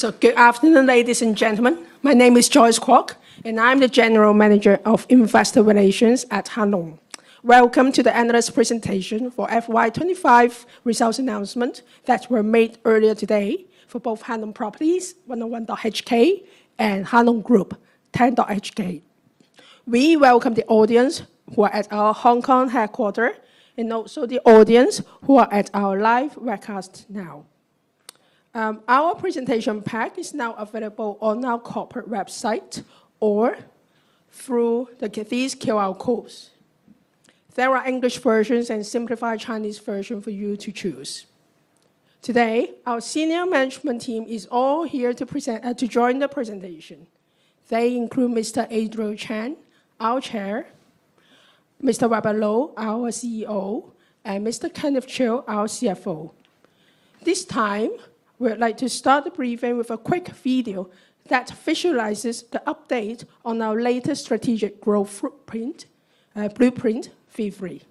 Good afternoon, ladies and gentlemen. My name is Joyce Kwock, and I'm the General Manager of Investor Relations at Hang Lung. Welcome to the analyst presentation for FY 2025 results announcement that were made earlier today for both Hang Lung Properties, 101.HK, and Hang Lung Group, 10.HK. We welcome the audience who are at our Hong Kong headquarters, and also the audience who are at our live webcast now. Our presentation pack is now available on our corporate website or through these QR codes. There are English versions and simplified Chinese version for you to choose. Today, our senior management team is all here to present to join the presentation. They include Mr. Adriel Chan, our Chair, Mr. Weber Lo, our CEO, and Mr. Kenneth Chiu, our CFO. This time, we would like to start the briefing with a quick video that visualizes the update on our latest strategic growth footprint, blueprint, V.3.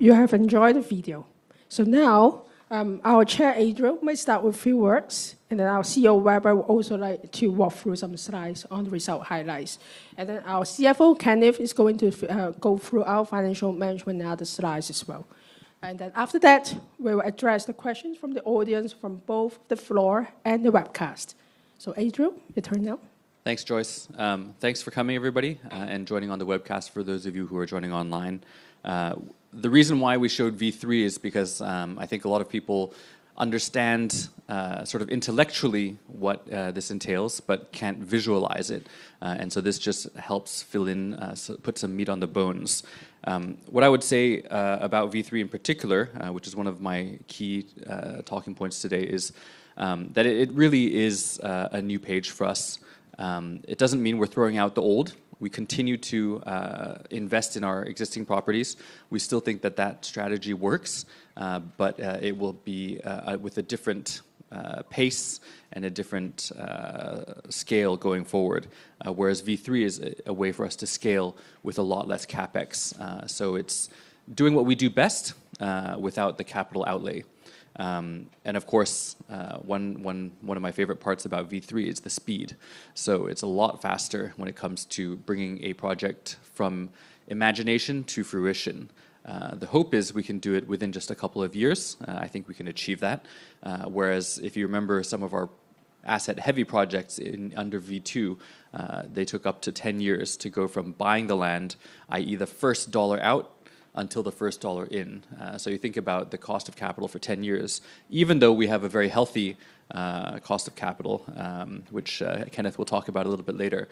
Hope you have enjoyed the video. So now, our Chair, Adriel, may start with a few words, and then our CEO, Weber, would also like to walk through some slides on the result highlights. And then our CFO, Kenneth, is going to go through our financial management and other slides as well. And then after that, we will address the questions from the audience from both the floor and the webcast. So, Adriel, your turn now. Thanks, Joyce. Thanks for coming, everybody, and joining on the webcast for those of you who are joining online. The reason why we showed V.3 is because, I think a lot of people understand, sort of intellectually what, this entails, but can't visualize it. And so this just helps fill in, put some meat on the bones. What I would say, about V.3 in particular, which is one of my key, talking points today, is, that it, it really is, a new page for us. It doesn't mean we're throwing out the old. We continue to, invest in our existing properties. We still think that that strategy works, but, it will be, with a different, pace and a different, scale going forward. Whereas V.3 is a way for us to scale with a lot less CapEx. So it's doing what we do best without the capital outlay. And of course, one of my favorite parts about V.3 is the speed. So it's a lot faster when it comes to bringing a project from imagination to fruition. The hope is we can do it within just a couple of years. I think we can achieve that. Whereas if you remember some of our asset-heavy projects under V.2, they took up to 10 years to go from buying the land, i.e., the first dollar out, until the first dollar in. So you think about the cost of capital for 10 years. Even though we have a very healthy, cost of capital, which Kenneth will talk about a little bit later,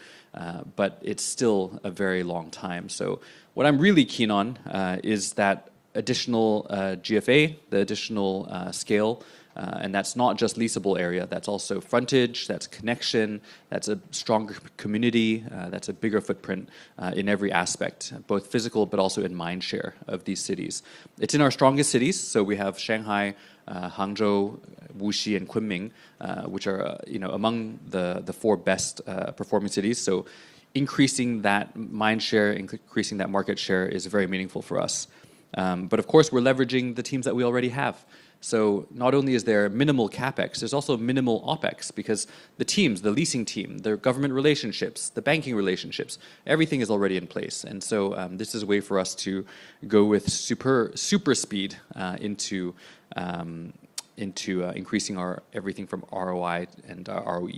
but it's still a very long time. So what I'm really keen on is that additional GFA, the additional scale, and that's not just leasable area, that's also frontage, that's connection, that's a strong community, that's a bigger footprint in every aspect, both physical, but also in mind share of these cities. It's in our strongest cities, so we have Shanghai, Hangzhou, Wuxi, and Kunming, which are, you know, among the, the four best performing cities. So increasing that mind share, increasing that market share, is very meaningful for us. But of course, we're leveraging the teams that we already have. So not only is there minimal CapEx, there's also minimal OpEx, because the teams, the leasing team, their government relationships, the banking relationships, everything is already in place. And so, this is a way for us to go with super, super speed, into, into, increasing our everything from ROI and our ROE.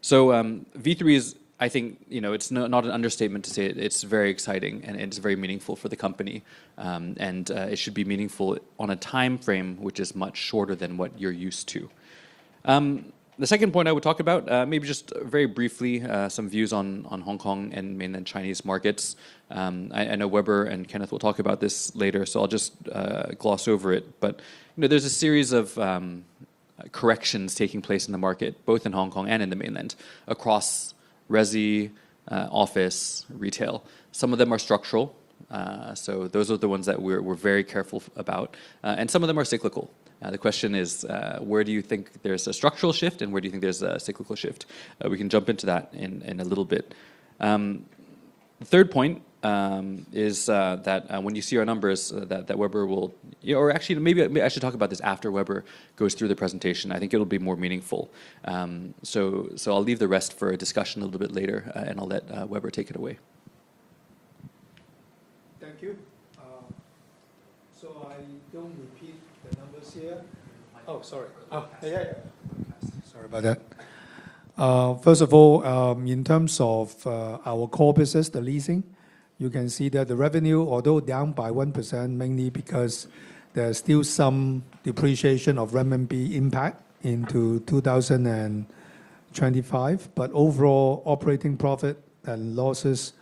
V.3 is, I think, you know, it's not an understatement to say it's very exciting, and it's very meaningful for the company. And, it should be meaningful on a timeframe which is much shorter than what you're used to. The second point I would talk about, maybe just very briefly, some views on, on Hong Kong and mainland Chinese markets. I know Weber and Kenneth will talk about this later, so I'll just, gloss over it. But, you know, there's a series of corrections taking place in the market, both in Hong Kong and in the mainland, across resi, office, retail. Some of them are structural, so those are the ones that we're very careful about, and some of them are cyclical. The question is: Where do you think there's a structural shift, and where do you think there's a cyclical shift? We can jump into that in a little bit. The third point is that when you see our numbers, that Weber will, or actually, maybe I should talk about this after Weber goes through the presentation. I think it'll be more meaningful. So, I'll leave the rest for a discussion a little bit later, and I'll let Weber take it away. Thank you. I don't repeat the numbers here. Sorry about that. First of all, in terms of, our core business, the leasing, you can see that the revenue, although down by 1%, mainly because there are still some depreciation of renminbi impact into 2025. Overall, operating profit and losses,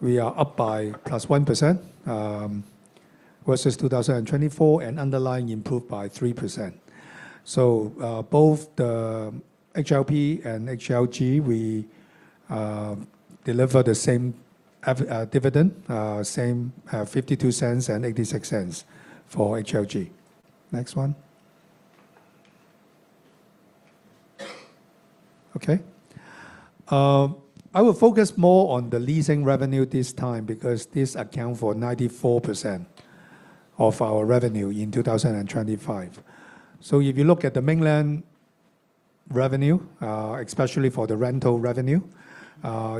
we are up by +1%, versus 2024, and underlying improved by 3%. Both the HLP and HLG, we deliver the same dividend, same, 0.52 and 0.86 for HLG. Next one. Okay. I will focus more on the leasing revenue this time, because this account for 94% of our revenue in 2025. So if you look at the mainland revenue, especially for the rental revenue,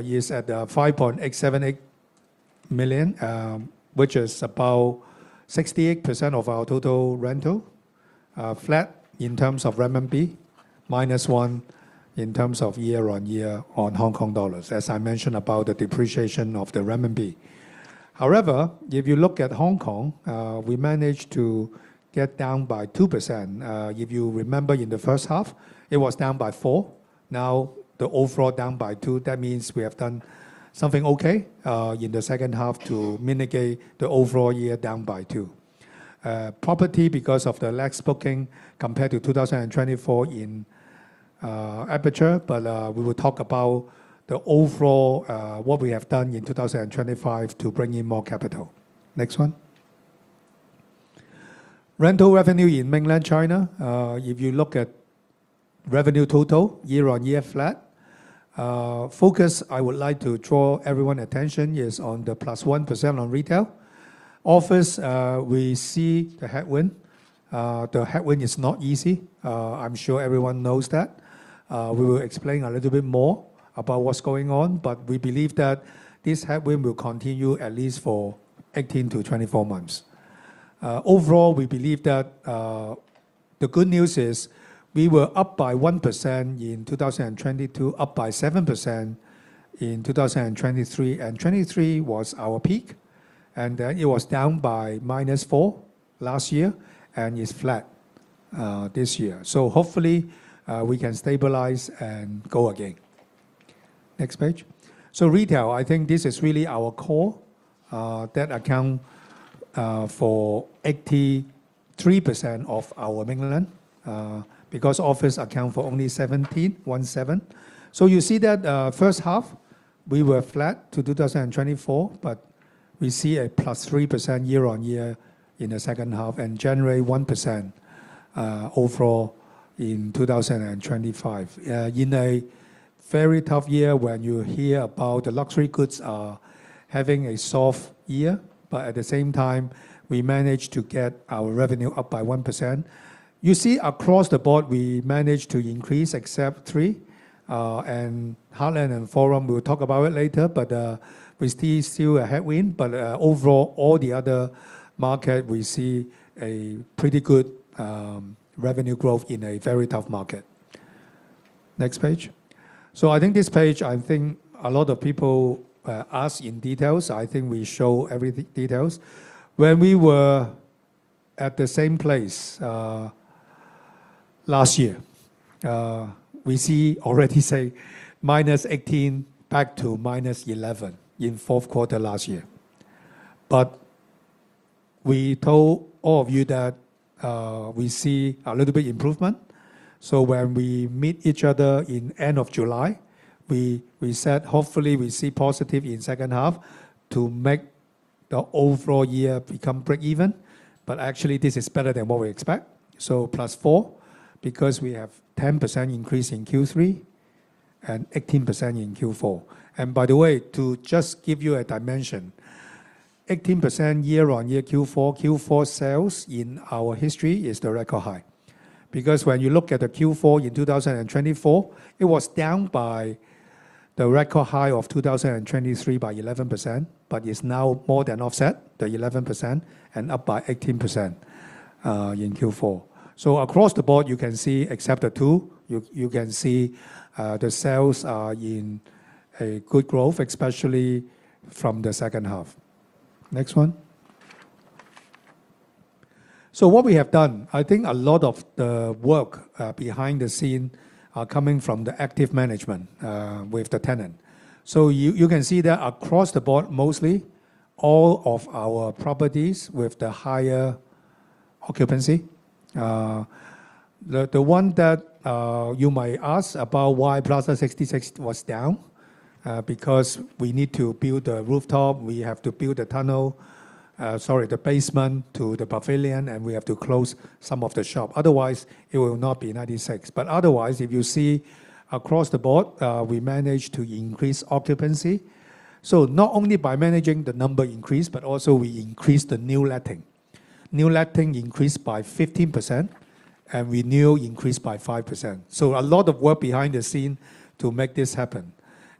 is at 5.878 million, which is about 68% of our total rental, flat in terms of renminbi, -1% year-on-year in Hong Kong dollars, as I mentioned about the depreciation of the renminbi. However, if you look at Hong Kong, we managed to get down by 2%. If you remember in the first half, it was down by 4%. Now, the overall down by 2%, that means we have done something okay, in the second half to mitigate the overall year down by 2%. Property, because of the less booking compared to 2024 in Aperture, but we will talk about the overall what we have done in 2025 to bring in more capital. Next one. Rental revenue in Mainland China. If you look at revenue total, year-on-year flat. Focus, I would like to draw everyone's attention is on the +1% on retail. Office, we see the headwind. The headwind is not easy. I'm sure everyone knows that. We will explain a little bit more about what's going on, but we believe that this headwind will continue at least for 18-24 months. Overall, we believe that, the good news is we were up by 1% in 2022, up by 7% in 2023, and 2023 was our peak, and then it was down by -4% last year, and it's flat, this year. So hopefully, we can stabilize and go again. Next page. So retail, I think this is really our core, that accounts for 83% of our mainland, because office accounts for only 17%. So you see that, first half, we were flat to 2024, but we see a +3% year-on-year in the second half, and generally 1% overall in 2025. In a very tough year, when you hear about the luxury goods are having a soft year, but at the same time, we managed to get our revenue up by 1%. You see across the board, we managed to increase except three, and Heartland and Forum, we'll talk about it later, but, we still, still a headwind. But, overall, all the other market, we see a pretty good, revenue growth in a very tough market. Next page. I think this page, I think a lot of people, ask in details. I think we show every details. When we were at the same place, last year, we see already say, -18% back to -11% in fourth quarter last year. We told all of you that we see a little bit improvement, so when we meet each other in end of July, we said, hopefully, we see positive in second half to make the overall year become break even. Actually, this is better than what we expect. So +4%, because we have 10% increase in Q3 and 18% in Q4. And by the way, to just give you a dimension, 18% year-on-year Q4 sales in our history is the record high. Because when you look at the Q4 in 2024, it was down by the record high of 2023 by 11%, but it's now more than offset the 11% and up by 18% in Q4. Across the board, you can see, except the two, you, you can see, the sales are in a good growth, especially from the second half. Next one. What we have done, I think a lot of the work behind the scene are coming from the active management with the tenant. You can see that across the board, mostly all of our properties with the higher occupancy. The one that you might ask about why Plaza 66 was down, because we need to build a rooftop, we have to build a tunnel, sorry, the basement to the pavilion, and we have to close some of the shop. Otherwise, it will not be 96. But otherwise, if you see across the board, we managed to increase occupancy. So not only by managing the number increase, but also we increased the new letting. New letting increased by 15%, and renewal increased by 5%. So a lot of work behind the scene to make this happen.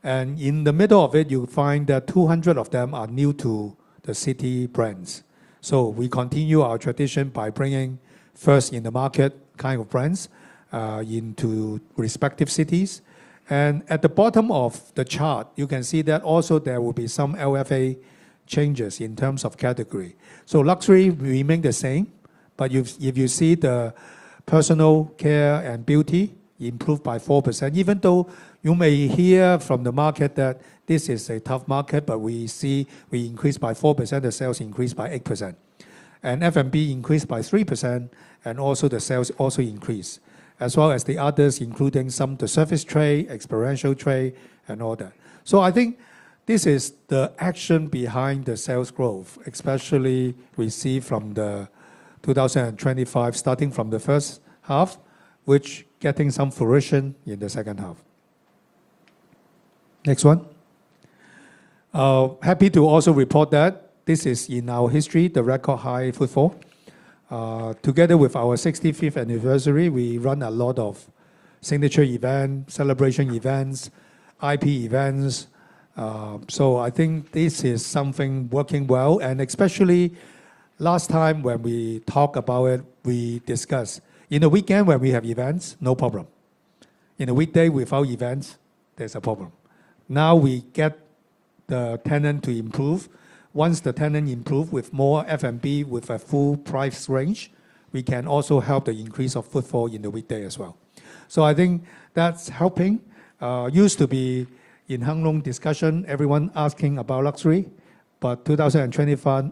And in the middle of it, you'll find that 200 of them are new to the city brands. So we continue our tradition by bringing first-in-the-market kind of brands into respective cities. At the bottom of the chart, you can see that also there will be some LFA changes in terms of category. So luxury will remain the same, but if, if you see the personal care and beauty improved by 4%, even though you may hear from the market that this is a tough market, but we see we increased by 4%, the sales increased by 8%. F&B increased by 3%, and also the sales also increased, as well as the others, including some of the service trade, experiential trade, and all that. So I think this is the action behind the sales growth, especially we see from 2025, starting from the first half, which getting some fruition in the second half. Next one. Happy to also report that this is in our history, the record high footfall. Together with our 65th anniversary, we run a lot of signature event, celebration events, IP events. So I think this is something working well, and especially last time when we talk about it, we discussed. In a weekend where we have events, no problem. In a weekday without events, there's a problem. Now we get the tenant to improve. Once the tenant improve with more F&B, with a full price range, we can also help the increase of footfall in the weekday as well. So I think that's helping. Used to be in Hang Lung discussion, everyone asking about luxury, but 2025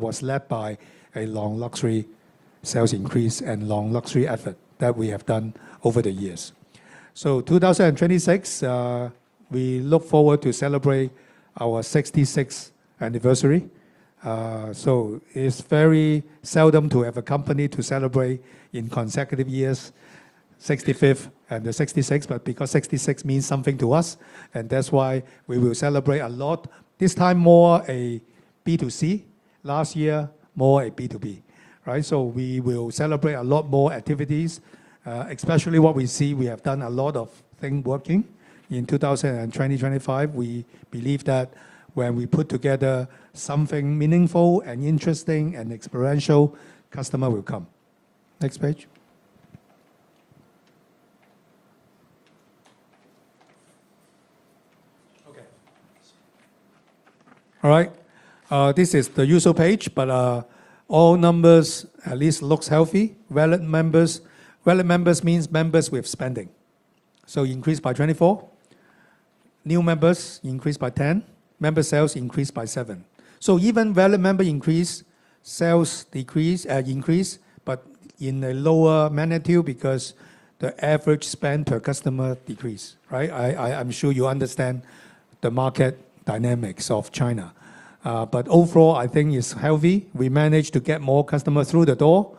was led by Hang Lung luxury sales increase and Hang Lung luxury effort that we have done over the years. So 2026, we look forward to celebrate our 66th anniversary. So it's very seldom to have a company to celebrate in consecutive years, 65th and the 66th, but because 66th means something to us, and that's why we will celebrate a lot. This time, more a B2C. Last year, more a B2B, right? So we will celebrate a lot more activities, especially what we see, we have done a lot of thing working in 2025. We believe that when we put together something meaningful and interesting and experiential, customer will come. Next page. All right. This is the usual page, but, all numbers at least looks healthy. Valid members means members with spending. So increased by 24%. New members increased by 10%. Member sales increased by 7%. So even valid member increase, sales decrease, increase, but in a lower magnitude because the average spend per customer decrease, right? I, I'm sure you understand the market dynamics of China. But overall, I think it's healthy. We managed to get more customers through the door,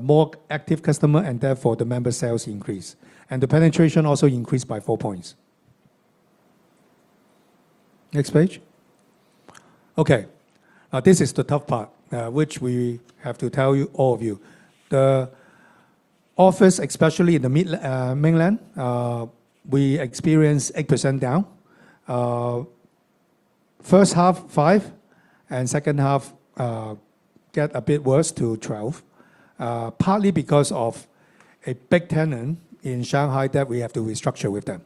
more active customer, and therefore, the member sales increase. And the penetration also increased by 4 points. Next page. Okay, this is the tough part, which we have to tell you, all of you. The office, especially in the mainland, we experienced 8% down. First half, 5%, and second half, get a bit worse to 12%, partly because of a big tenant in Shanghai that we have to restructure with them,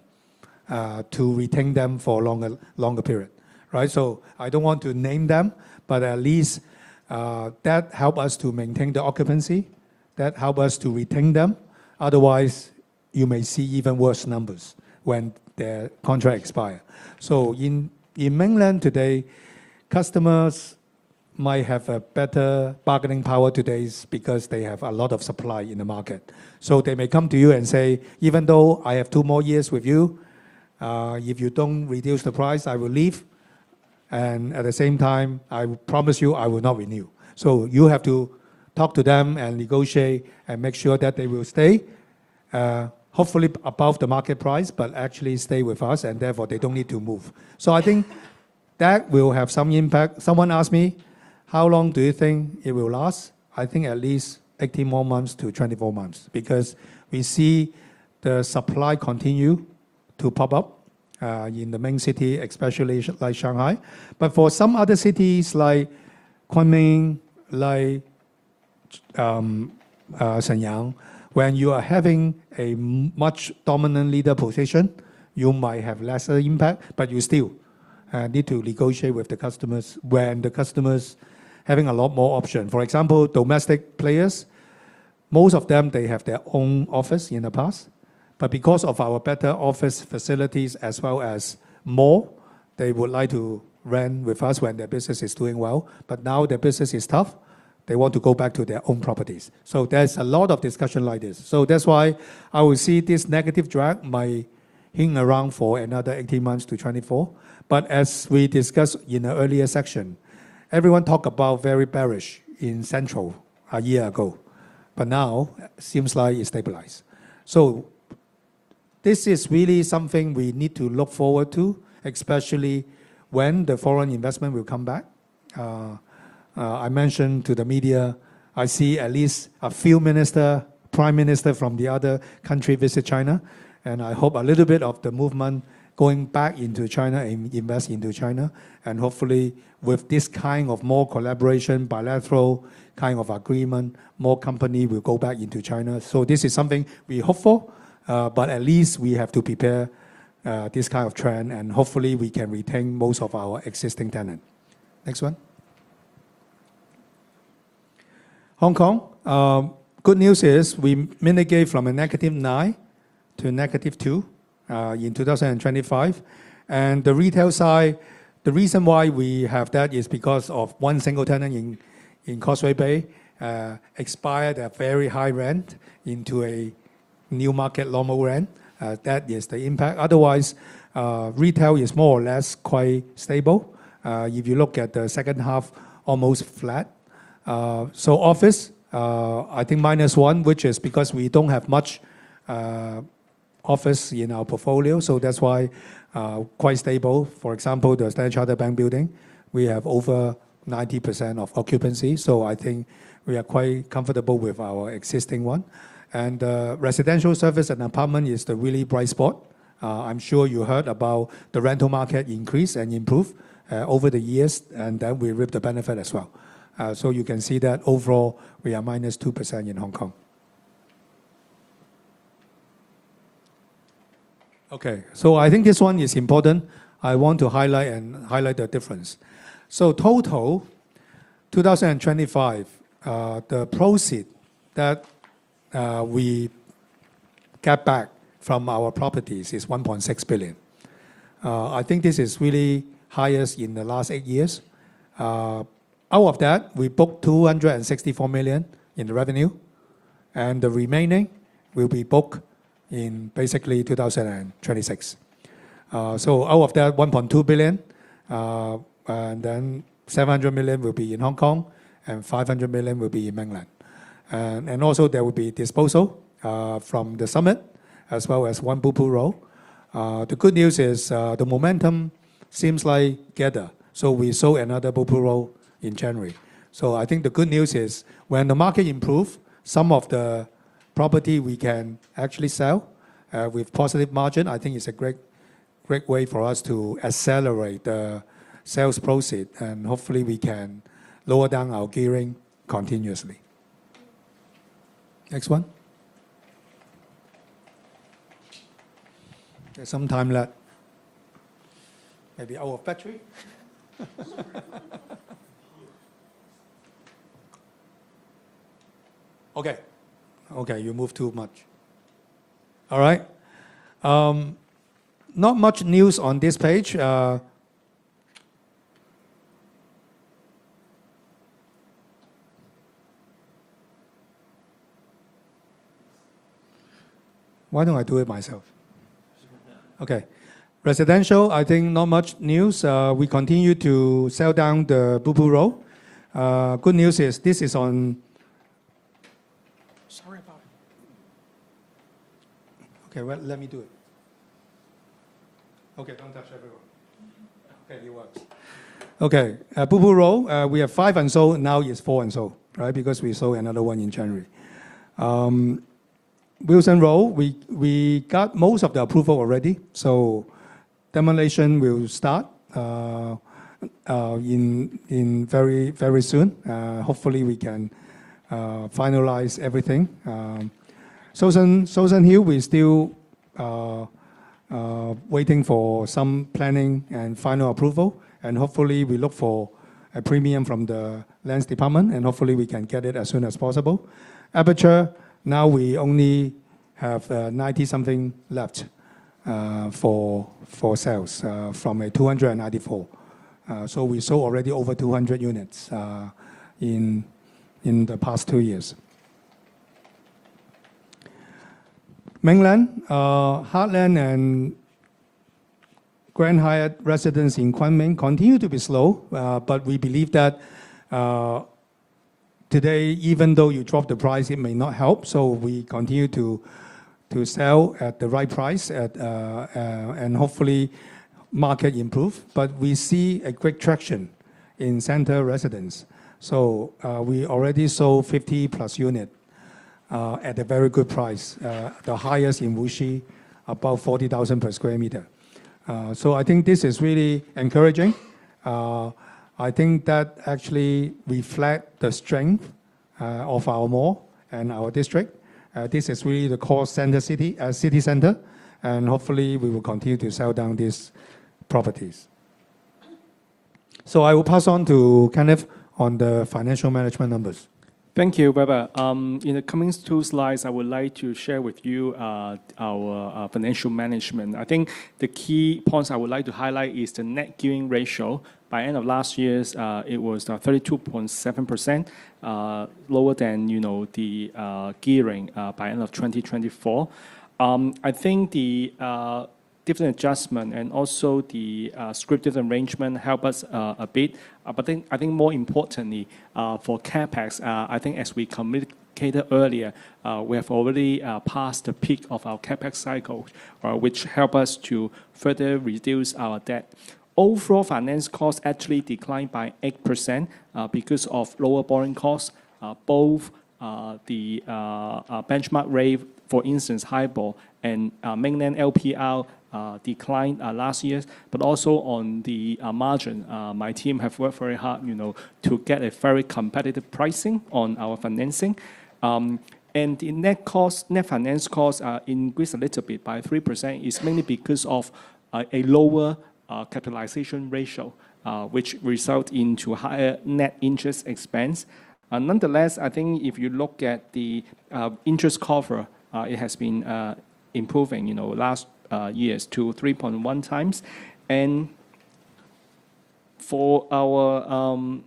to retain them for a longer, longer period, right? So I don't want to name them, but at least, that help us to maintain the occupancy, that help us to retain them. Otherwise, you may see even worse numbers when their contract expire. So in mainland today, customers might have a better bargaining power today because they have a lot of supply in the market. So they may come to you and say, "Even though I have two more years with you, if you don't reduce the price, I will leave, and at the same time, I promise you I will not renew." So you have to talk to them and negotiate and make sure that they will stay, hopefully above the market price, but actually stay with us, and therefore, they don't need to move. So I think that will have some impact. Someone asked me: "How long do you think it will last?" I think at least 18 more months to 24 months, because we see the supply continue to pop up, in the main city, especially like Shanghai. But for some other cities like Kunming, like, Shenyang, when you are having a much dominant leader position, you might have lesser impact, but you still need to negotiate with the customers when the customer's having a lot more option. For example, domestic players, most of them, they have their own office in the past, but because of our better office facilities as well as more, they would like to rent with us when their business is doing well. But now their business is tough, they want to go back to their own properties. So there's a lot of discussion like this. So that's why I would say this negative drag might hang around for another 18 months to 24. But as we discussed in the earlier section, everyone talk about very bearish in Central a year ago, but now seems like it's stabilized. This is really something we need to look forward to, especially when the foreign investment will come back. I mentioned to the media, I see at least a few minister, prime minister from the other country visit China, and I hope a little bit of the movement going back into China, invest into China. And hopefully, with this kind of more collaboration, bilateral kind of agreement, more company will go back into China. So this is something we hope for, but at least we have to prepare, this kind of trend, and hopefully we can retain most of our existing tenant. Next one. Hong Kong. Good news is we mitigate from a -9% to a -2%, in 2025. On the retail side, the reason why we have that is because of one single tenant in Causeway Bay expired a very high rent into a new market, normal rent. That is the impact. Otherwise, retail is more or less quite stable. If you look at the second half, almost flat. So office, I think -1%, which is because we don't have much office in our portfolio, so that's why quite stable. For example, the Standard Chartered Bank Building, we have over 90% of occupancy, so I think we are quite comfortable with our existing one. And residential service and apartment is the really bright spot. I'm sure you heard about the rental market increase and improve over the years, and then we reap the benefit as well. So you can see that overall, we are -2% in Hong Kong. Okay, so I think this one is important. I want to highlight and highlight the difference. So total, 2025, the proceeds that we get back from our properties is 1.6 billion. I think this is really highest in the last eight years. Out of that, we booked 264 million in the revenue, and the remaining will be booked in basically 2026. So out of that 1.2 billion, and then 700 million will be in Hong Kong, and 500 million will be in mainland. And also there will be disposal from the Summit, as well as Blue Pool Road. The good news is, the momentum seems like gather, so we sold another Blue Pool Road in January. So I think the good news is, when the market improve, some of the property we can actually sell with positive margin. I think it's a great, great way for us to accelerate the sales proceed, and hopefully we can lower down our gearing continuously. Next one. There's some time left. Maybe out of battery? Okay. Okay, you move too much. All right. Not much news on this page. Why don't I do it myself? Okay. Residential, I think not much news. We continue to sell down the Blue Pool Road. Good news is, this is on. Okay, well, let me do it. Okay, don't touch anything. Okay, it works. Okay, Blue Pool Road, we have 5 unsold, now it's 4 unsold, right? Because we sold another one in January. Wilson Road, we got most of the approval already, so demolition will start in very soon. Hopefully we can finalize everything. Shouson Hill, we're still waiting for some planning and final approval, and hopefully we look for a premium from the Lands Department, and hopefully we can get it as soon as possible. Aperture, now we only have 90-something left for sales from a 294. So we sold already over 200 units in the past 2 years. Mainland, Heartland, and Grand Hyatt Residences in Kunming continue to be slow, but we believe that, today, even though you drop the price, it may not help. So we continue to sell at the right price, and hopefully market improve. But we see a great traction in Center Residences, so, we already sold 50+ units, at a very good price, the highest in Wuxi, above 40,000 per square meter. So I think this is really encouraging. I think that actually reflect the strength, of our mall and our district. This is really the core center city, city center, and hopefully we will continue to sell down these properties. So I will pass on to Kenneth on the financial management numbers. Thank you, Weber. In the coming two slides, I would like to share with you our financial management. I think the key points I would like to highlight is the net gearing ratio. By end of last year, it was 32.7%, lower than, you know, the gearing by end of 2024. I think the different adjustment and also the scrip arrangement help us a bit. But then I think more importantly, for CapEx, I think as we indicated earlier, we have already passed the peak of our CapEx cycle, which help us to further reduce our debt. Overall finance costs actually declined by 8% because of lower borrowing costs. Both the benchmark rate, for instance, HIBOR and mainland LPR, declined last year. But also on the margin, my team have worked very hard, you know, to get a very competitive pricing on our financing. And the net cost, net finance costs are increased a little bit by 3%, is mainly because of a lower capitalization ratio, which result into higher net interest expense. Nonetheless, I think if you look at the interest cover, it has been improving, you know, last years to 3.1x. And for our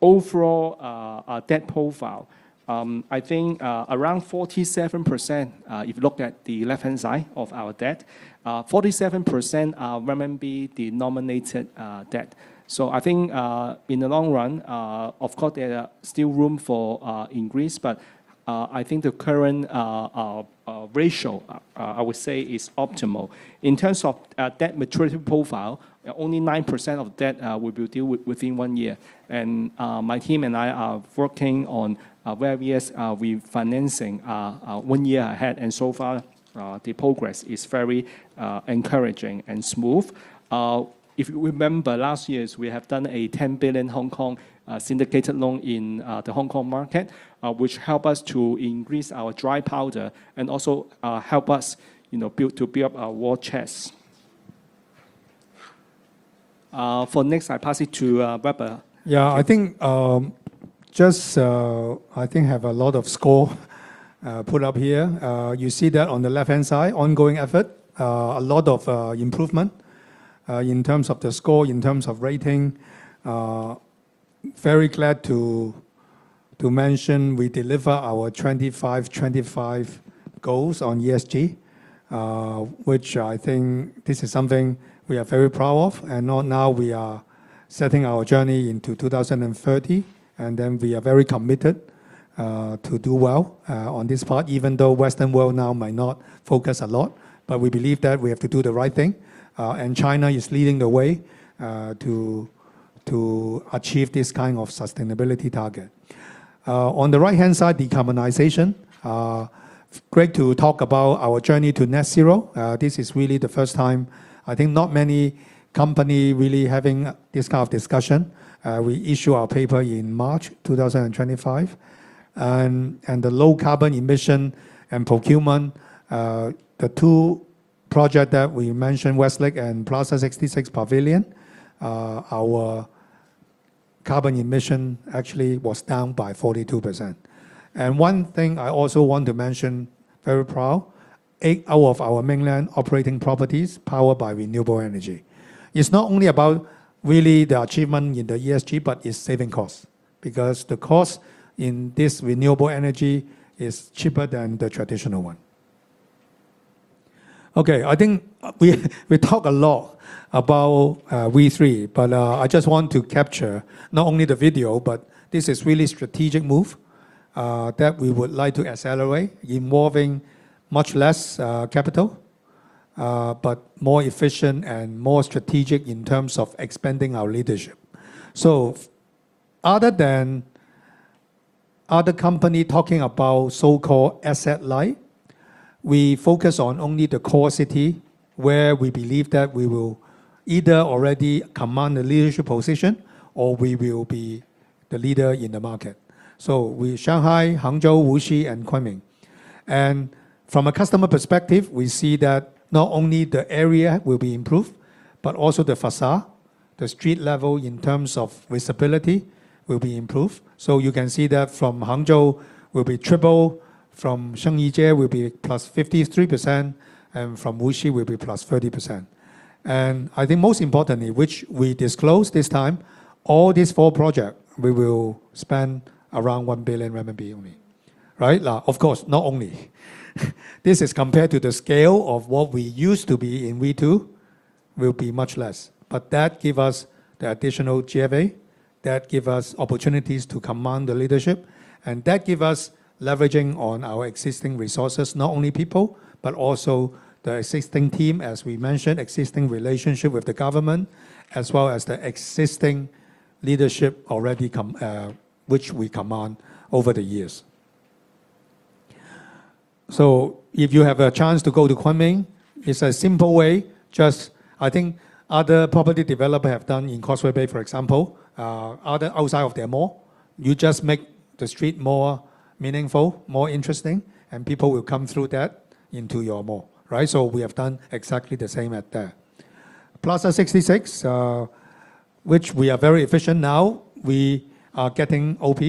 overall debt profile, I think around 47%, if you look at the left-hand side of our debt, 47% are RMB-denominated debt. So I think, in the long run, of course, there are still room for increase, but I think the current ratio I would say, is optimal. In terms of debt maturity profile, only 9% of debt will be due within one year. And my team and I are working on various refinancing one year ahead, and so far, the progress is very encouraging and smooth. If you remember last year, we have done a 10 billion Hong Kong syndicated loan in the Hong Kong market, which help us to increase our dry powder and also help us, you know, build up our war chest. For next, I pass it to Weber. Yeah, I think, just, I think I have a lot of score put up here. You see that on the left-hand side, ongoing effort. A lot of improvement in terms of the score, in terms of rating. Very glad to mention we deliver our 25/25 goals on ESG, which I think this is something we are very proud of. Now we are setting our journey into 2030, and then we are very committed to do well on this part, even though Western world now might not focus a lot. But we believe that we have to do the right thing, and China is leading the way to achieve this kind of sustainability target. On the right-hand side, decarbonization. Great to talk about our journey to net zero. This is really the first time. I think not many company really having this kind of discussion. We issue our paper in March 2025. And the low carbon emission and procurement, the two project that we mentioned, Westlake 66 and Plaza 66 Pavilion, our carbon emission actually was down by 42%. And one thing I also want to mention, very proud, eight out of our mainland operating properties, powered by renewable energy. It's not only about really the achievement in the ESG, but it's saving costs, because the cost in this renewable energy is cheaper than the traditional one. Okay, I think we talk a lot about V.3, but I just want to capture not only the V.3, but this is really strategic move that we would like to accelerate, involving much less capital, but more efficient and more strategic in terms of expanding our leadership. So other than other company talking about so-called asset light, we focus on only the core city, where we believe that we will either already command the leadership position or we will be the leader in the market, so Shanghai, Hangzhou, Wuxi, and Kunming. And from a customer perspective, we see that not only the area will be improved, but also the façade, the street level in terms of visibility will be improved. So you can see that from Hangzhou will be triple, from Shanghai will be +53%, and from Wuxi will be plus 30%. And I think most importantly, which we disclose this time, all these four projects, we will spend around 1 billion RMB only, right? Now, of course, not only. This is compared to the scale of what we used to be in V.2, will be much less. But that give us the additional GFA, that give us opportunities to command the leadership, and that give us leveraging on our existing resources, not only people, but also the existing team, as we mentioned, existing relationship with the government, as well as the existing leadership already commanded, which we command over the years. So if you have a chance to go to Kunming, it's a simple way. I think other property developer have done in Causeway Bay, for example, outside of their mall. You just make the street more meaningful, more interesting, and people will come through that into your mall, right? So we have done exactly the same there. Plaza 66, which we are very efficient now, we are getting OP,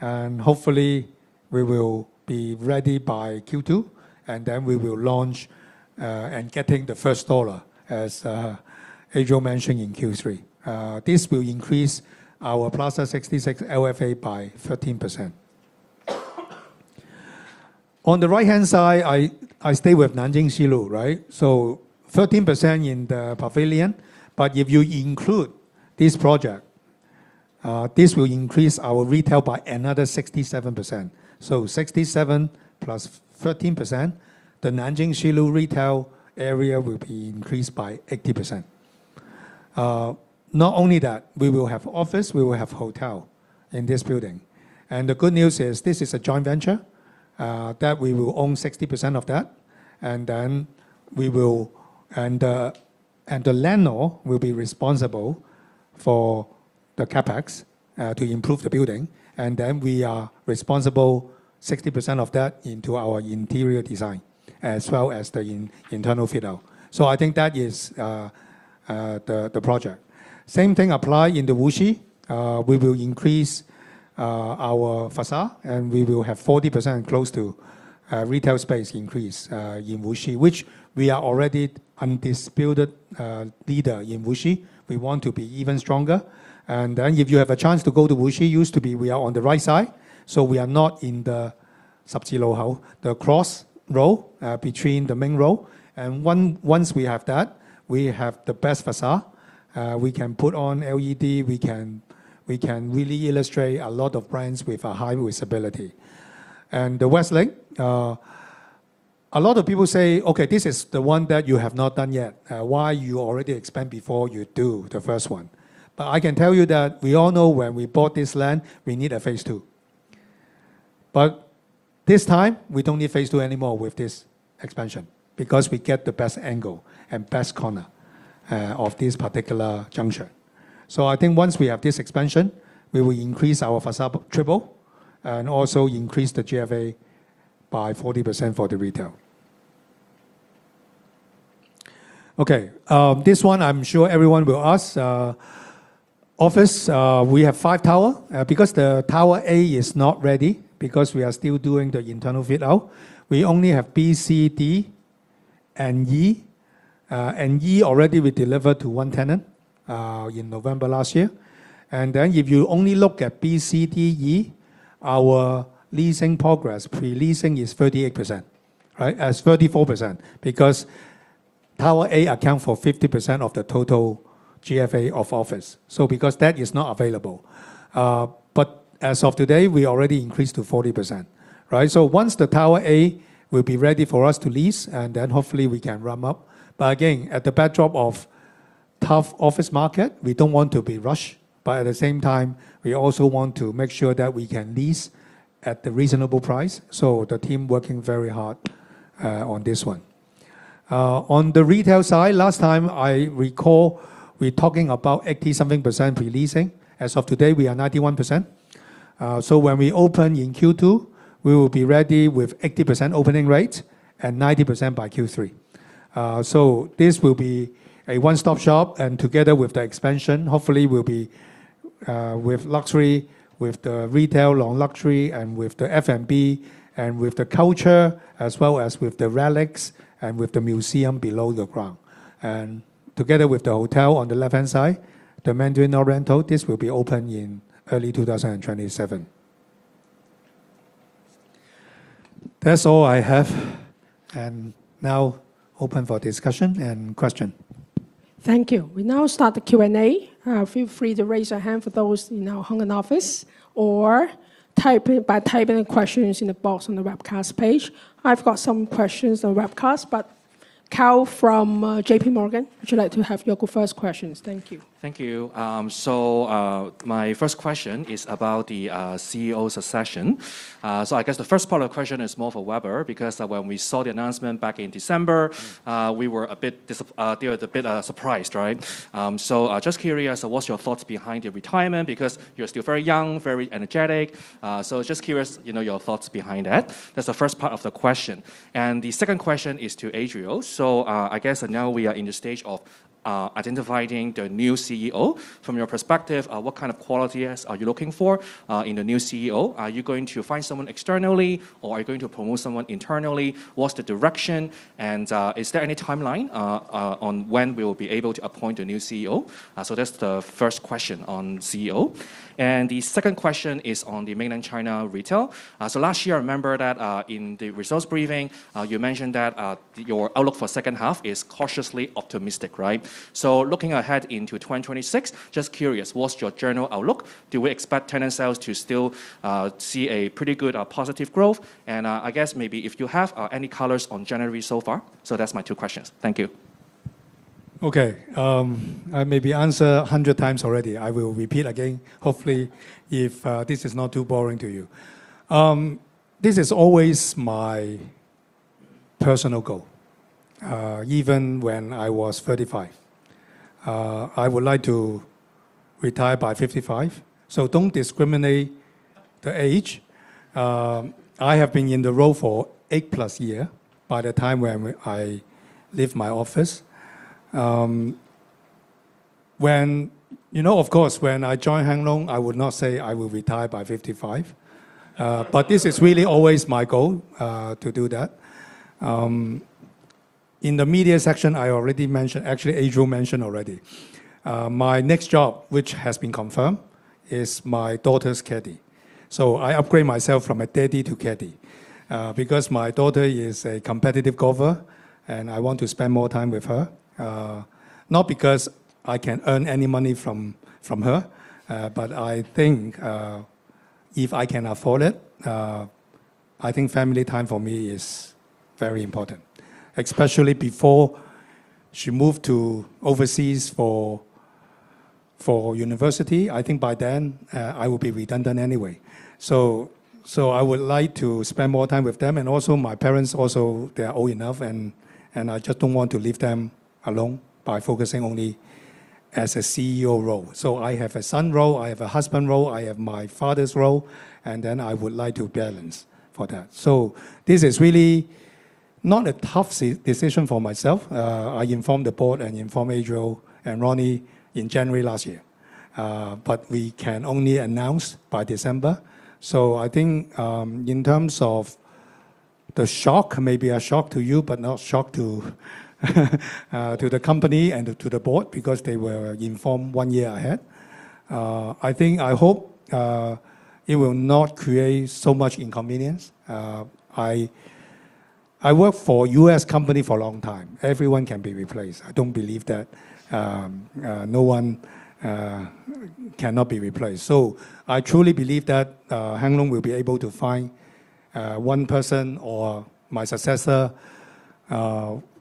and hopefully, we will be ready by Q2, and then we will launch, and getting the first dollar, as Adriel mentioned in Q3. This will increase our Plaza 66 LFA by 13%. On the right-hand side, I stay with Nanjing Xi Lu, right? So 13% in the pavilion, but if you include this project, this will increase our retail by another 67%. So 67% + 13%, the Nanjing Xi Lu retail area will be increased by 80%. Not only that, we will have office, we will have hotel in this building, and the good news is this is a joint venture that we will own 60% of that, and then the landlord will be responsible for the CapEx to improve the building, and then we are responsible 60% of that into our interior design, as well as the internal fit-out. So I think that is the project. Same thing apply in the Wuxi. We will increase our façade, and we will have 40% close to retail space increase in Wuxi, which we are already undisputed leader in Wuxi. We want to be even stronger. And then if you have a chance to go to Wuxi, used to be we are on the right side, so we are not in the Subsea Low house, the cross row, between the main row. And once we have that, we have the best façade. We can put on LED, we can, we can really illustrate a lot of brands with a high visibility. And the Westlake, a lot of people say, "Okay, this is the one that you have not done yet. Why you already expand before you do the first one?" But I can tell you that we all know when we bought this land, we need a phase two. But this time, we don't need phase two anymore with this expansion, because we get the best angle and best corner, of this particular juncture. So I think once we have this expansion, we will increase our façade triple, and also increase the GFA by 40% for the retail. Okay, this one I'm sure everyone will ask. Office, we have five tower. Because the tower A is not ready, because we are still doing the internal fit-out, we only have B, C, D, and E. And E already we delivered to one tenant, in November last year. And then if you only look at B, C, D, E, our leasing progress, pre-leasing, is 38%, right? It's 34%, because tower A account for 50% of the total GFA of office, so because that is not available. But as of today, we already increased to 40%, right? So once the tower A will be ready for us to lease, and then hopefully we can ramp up. Again, at the backdrop of tough office market, we don't want to be rushed. At the same time, we also want to make sure that we can lease at the reasonable price. The team working very hard, on this one. On the retail side, last time I recall we're talking about 80% something pre-leasing. As of today, we are 91%. When we open in Q2, we will be ready with 80% opening rate and 90% by Q3. This will be a one-stop shop, and together with the expansion, hopefully we'll be, with luxury, with the retail, non-luxury, and with the FMB, and with the culture, as well as with the relics and with the museum below the ground. Together with the hotel on the left-hand side, the Mandarin Oriental, this will be open in early 2027. That's all I have, and now open for discussion and question. Thank you. We now start the Q&A. Feel free to raise your hand for those in our Hong Kong office, or type it by typing the questions in the box on the webcast page. I've got some questions on webcast, but Carl from JPMorgan, would you like to have your first questions? Thank you. Thank you. So, my first question is about the CEO's succession. So I guess the first part of the question is more for Weber, because when we saw the announcement back in December, we were a bit surprised, right? So, just curious, what's your thoughts behind your retirement? Because you're still very young, very energetic. So just curious, you know, your thoughts behind that. That's the first part of the question. The second question is to Adriel. So, I guess now we are in the stage of identifying the new CEO. From your perspective, what kind of qualities are you looking for in the new CEO? Are you going to find someone externally, or are you going to promote someone internally? What's the direction, and is there any timeline on when we will be able to appoint a new CEO? So that's the first question on CEO. And the second question is on the Mainland China retail. So last year, I remember that in the results briefing, you mentioned that your outlook for second half is cautiously optimistic, right? So looking ahead into 2026, just curious, what's your general outlook? Do we expect tenant sales to still see a pretty good positive growth? And I guess maybe if you have any colors on January so far. So that's my two questions. Thank you. Okay, I maybe answer 100 times already. I will repeat again, hopefully, if this is not too boring to you. This is always my personal goal, even when I was 35. I would like to retire by 55, so don't discriminate the age. I have been in the role for 8+ year by the time when I leave my office. You know, of course, when I joined Hang Lung, I would not say I will retire by 55, but this is really always my goal, to do that. In the media section, I already mentioned, actually, Adriel mentioned already. My next job, which has been confirmed, is my daughter's caddy. So I upgrade myself from a daddy to caddy, because my daughter is a competitive golfer, and I want to spend more time with her. Not because I can earn any money from her, but I think if I can afford it, I think family time for me is very important, especially before she move to overseas for university. I think by then I will be redundant anyway. So I would like to spend more time with them, and also my parents also, they are old enough, and I just don't want to leave them alone by focusing only as a CEO role. So I have a son role, I have a husband role, I have my father's role, and then I would like to balance for that. So this is really not a tough decision for myself. I informed the board and informed Adriel and Ronnie in January last year. But we can only announce by December. So I think, in terms of the shock, maybe a shock to you, but not shock to the company and to the board because they were informed one year ahead. I hope, it will not create so much inconvenience. I, I work for U.S. company for a long time. Everyone can be replaced. I don't believe that, no one cannot be replaced. So I truly believe that Hang Lung will be able to find, one person or my successor,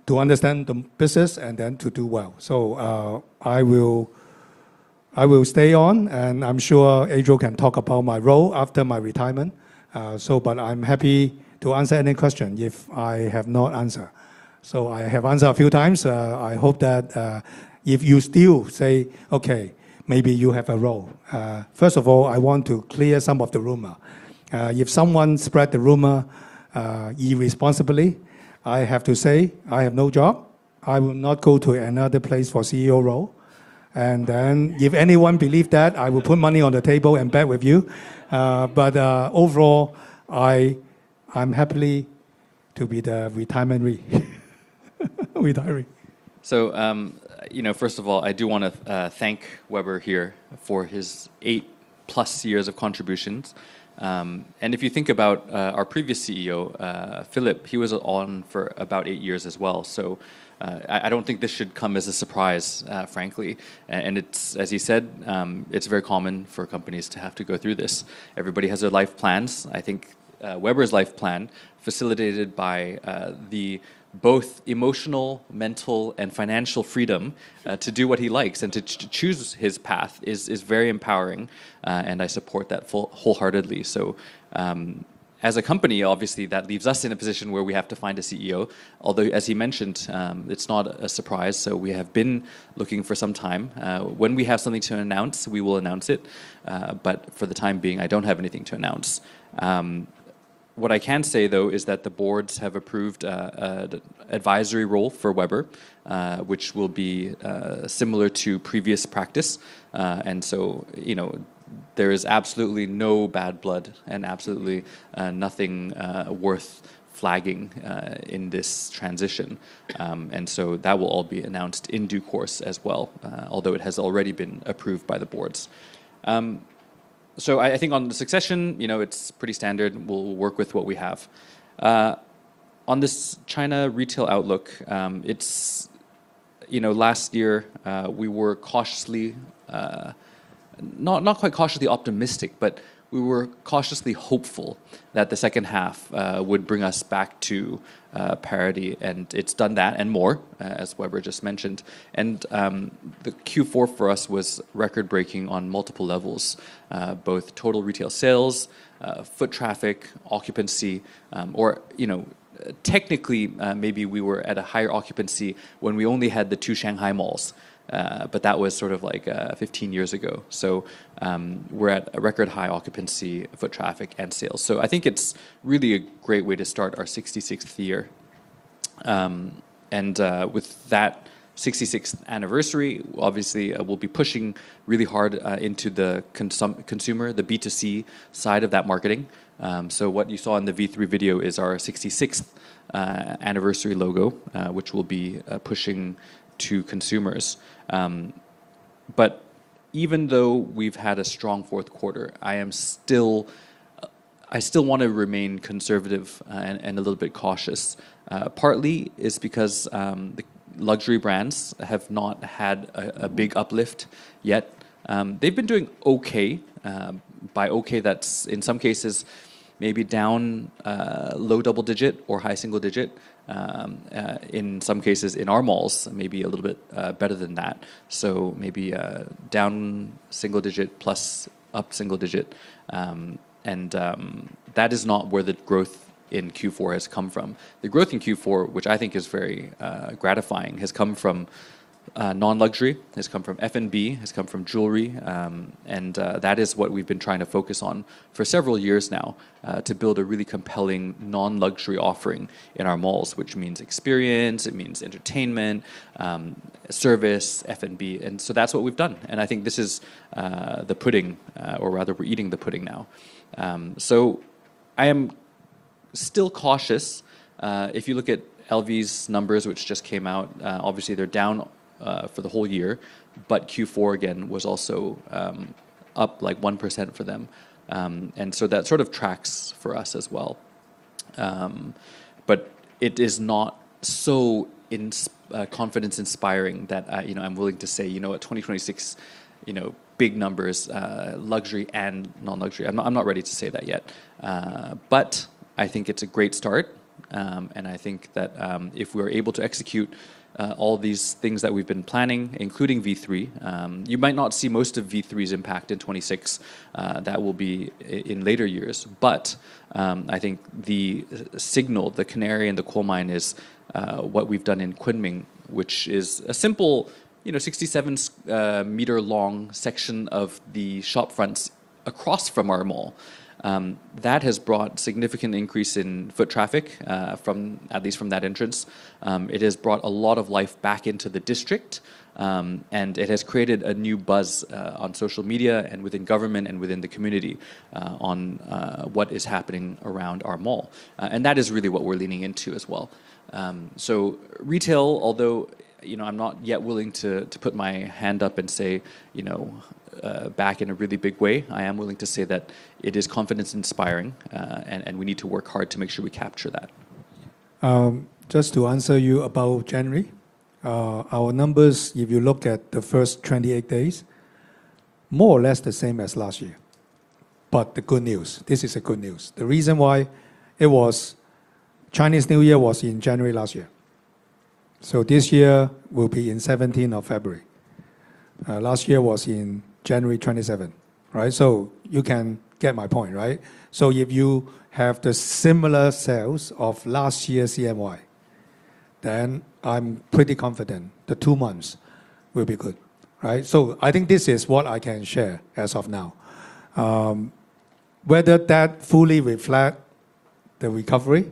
to understand the business and then to do well. So, I will, I will stay on, and I'm sure Adriel can talk about my role after my retirement. So but I'm happy to answer any question if I have not answered. So I have answered a few times. I hope that if you still say, "Okay, maybe you have a role." First of all, I want to clear some of the rumor. If someone spread the rumor irresponsibly, I have to say, I have no job. I will not go to another place for CEO role. Then if anyone believe that, I will put money on the table and bet with you. Overall, I'm happy to be retiring. So, you know, first of all, I do wanna thank Weber here for his 8+ years of contributions. And if you think about our previous CEO, Philip, he was on for about 8 years as well. I don't think this should come as a surprise, frankly, and as you said, it's very common for companies to have to go through this. Everybody has their life plans. I think Weber's life plan, facilitated by the both emotional, mental, and financial freedom to do what he likes and to choose his path is very empowering, and I support that wholeheartedly. So, as a company, obviously, that leaves us in a position where we have to find a CEO, although, as he mentioned, it's not a surprise, so we have been looking for some time. When we have something to announce, we will announce it, but for the time being, I don't have anything to announce. What I can say, though, is that the boards have approved the advisory role for Weber, which will be similar to previous practice. And so, you know, there is absolutely no bad blood and absolutely nothing worth flagging in this transition. And so that will all be announced in due course as well, although it has already been approved by the boards. So I think on the succession, you know, it's pretty standard. We'll work with what we have. On this China retail outlook, it's you know, last year, we were cautiously not quite cautiously optimistic, but we were cautiously hopeful that the second half would bring us back to parity, and it's done that and more, as Weber just mentioned. The Q4 for us was record-breaking on multiple levels, both total retail sales, foot traffic, occupancy, or you know, technically, maybe we were at a higher occupancy when we only had the two Shanghai malls, but that was sort of like 15 years ago. So, we're at a record-high occupancy, foot traffic, and sales. So I think it's really a great way to start our 66th year. And, with that 66th anniversary, obviously, we'll be pushing really hard into the consumer, the B2C side of that marketing. So what you saw in the V.3 video is our 66th anniversary logo, which we'll be pushing to consumers. But even though we've had a strong fourth quarter, I still want to remain conservative, and a little bit cautious. Partly is because the luxury brands have not had a big uplift yet. They've been doing okay. By okay, that's in some cases, maybe down low double digit or high single digit. In some cases, in our malls, maybe a little bit better than that, so maybe down single digit, plus up single digit. And, that is not where the growth in Q4 has come from. The growth in Q4, which I think is very, gratifying, has come from, non-luxury, has come from F&B, has come from jewelry, and, that is what we've been trying to focus on for several years now, to build a really compelling non-luxury offering in our malls, which means experience, it means entertainment, service, F&B, and so that's what we've done, and I think this is, the pudding, or rather we're eating the pudding now. I am still cautious. If you look at LV's numbers, which just came out, obviously they're down, for the whole year, but Q4, again, was also, up, like, 1% for them. And so that sort of tracks for us as well. But it is not so confidence-inspiring that I'm willing to say, you know what, 2026, you know, big numbers, luxury and non-luxury. I'm not, I'm not ready to say that yet. But I think it's a great start, and I think that, if we're able to execute, all these things that we've been planning, including V.3, you might not see most of V.3's impact in 2026. That will be in later years. But, I think the, the signal, the canary in the coal mine, is, what we've done in Kunming, which is a simple, you know, 67 m long section of the shop fronts across from our mall. That has brought significant increase in foot traffic, from, at least from that entrance. It has brought a lot of life back into the district, and it has created a new buzz on social media, and within government, and within the community, on what is happening around our mall. And that is really what we're leaning into as well. So retail, although you know, I'm not yet willing to put my hand up and say, you know, back in a really big way, I am willing to say that it is confidence-inspiring, and we need to work hard to make sure we capture that. Just to answer you about January, our numbers, if you look at the first 28 days, more or less the same as last year. But the good news, this is a good news. The reason why it was Chinese New Year was in January last year, so this year will be in 17 of February. Last year was in January 27, right? So you can get my point, right? So if you have the similar sales of last year's CNY, then I'm pretty confident the two months will be good, right? So I think this is what I can share as of now. Whether that fully reflect the recovery,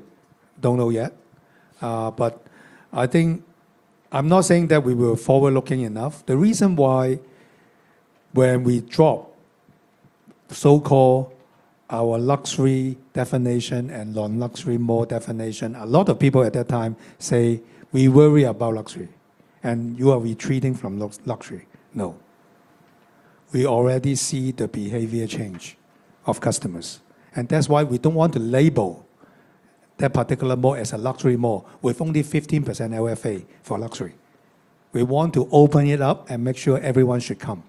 don't know yet. But I think I'm not saying that we were forward-looking enough. The reason why when we drop so-called our luxury definition and non-luxury mall definition, a lot of people at that time say, "We worry about luxury, and you are retreating from luxury." No. We already see the behavior change of customers, and that's why we don't want to label that particular mall as a luxury mall with only 15% LFA for luxury. We want to open it up and make sure everyone should come.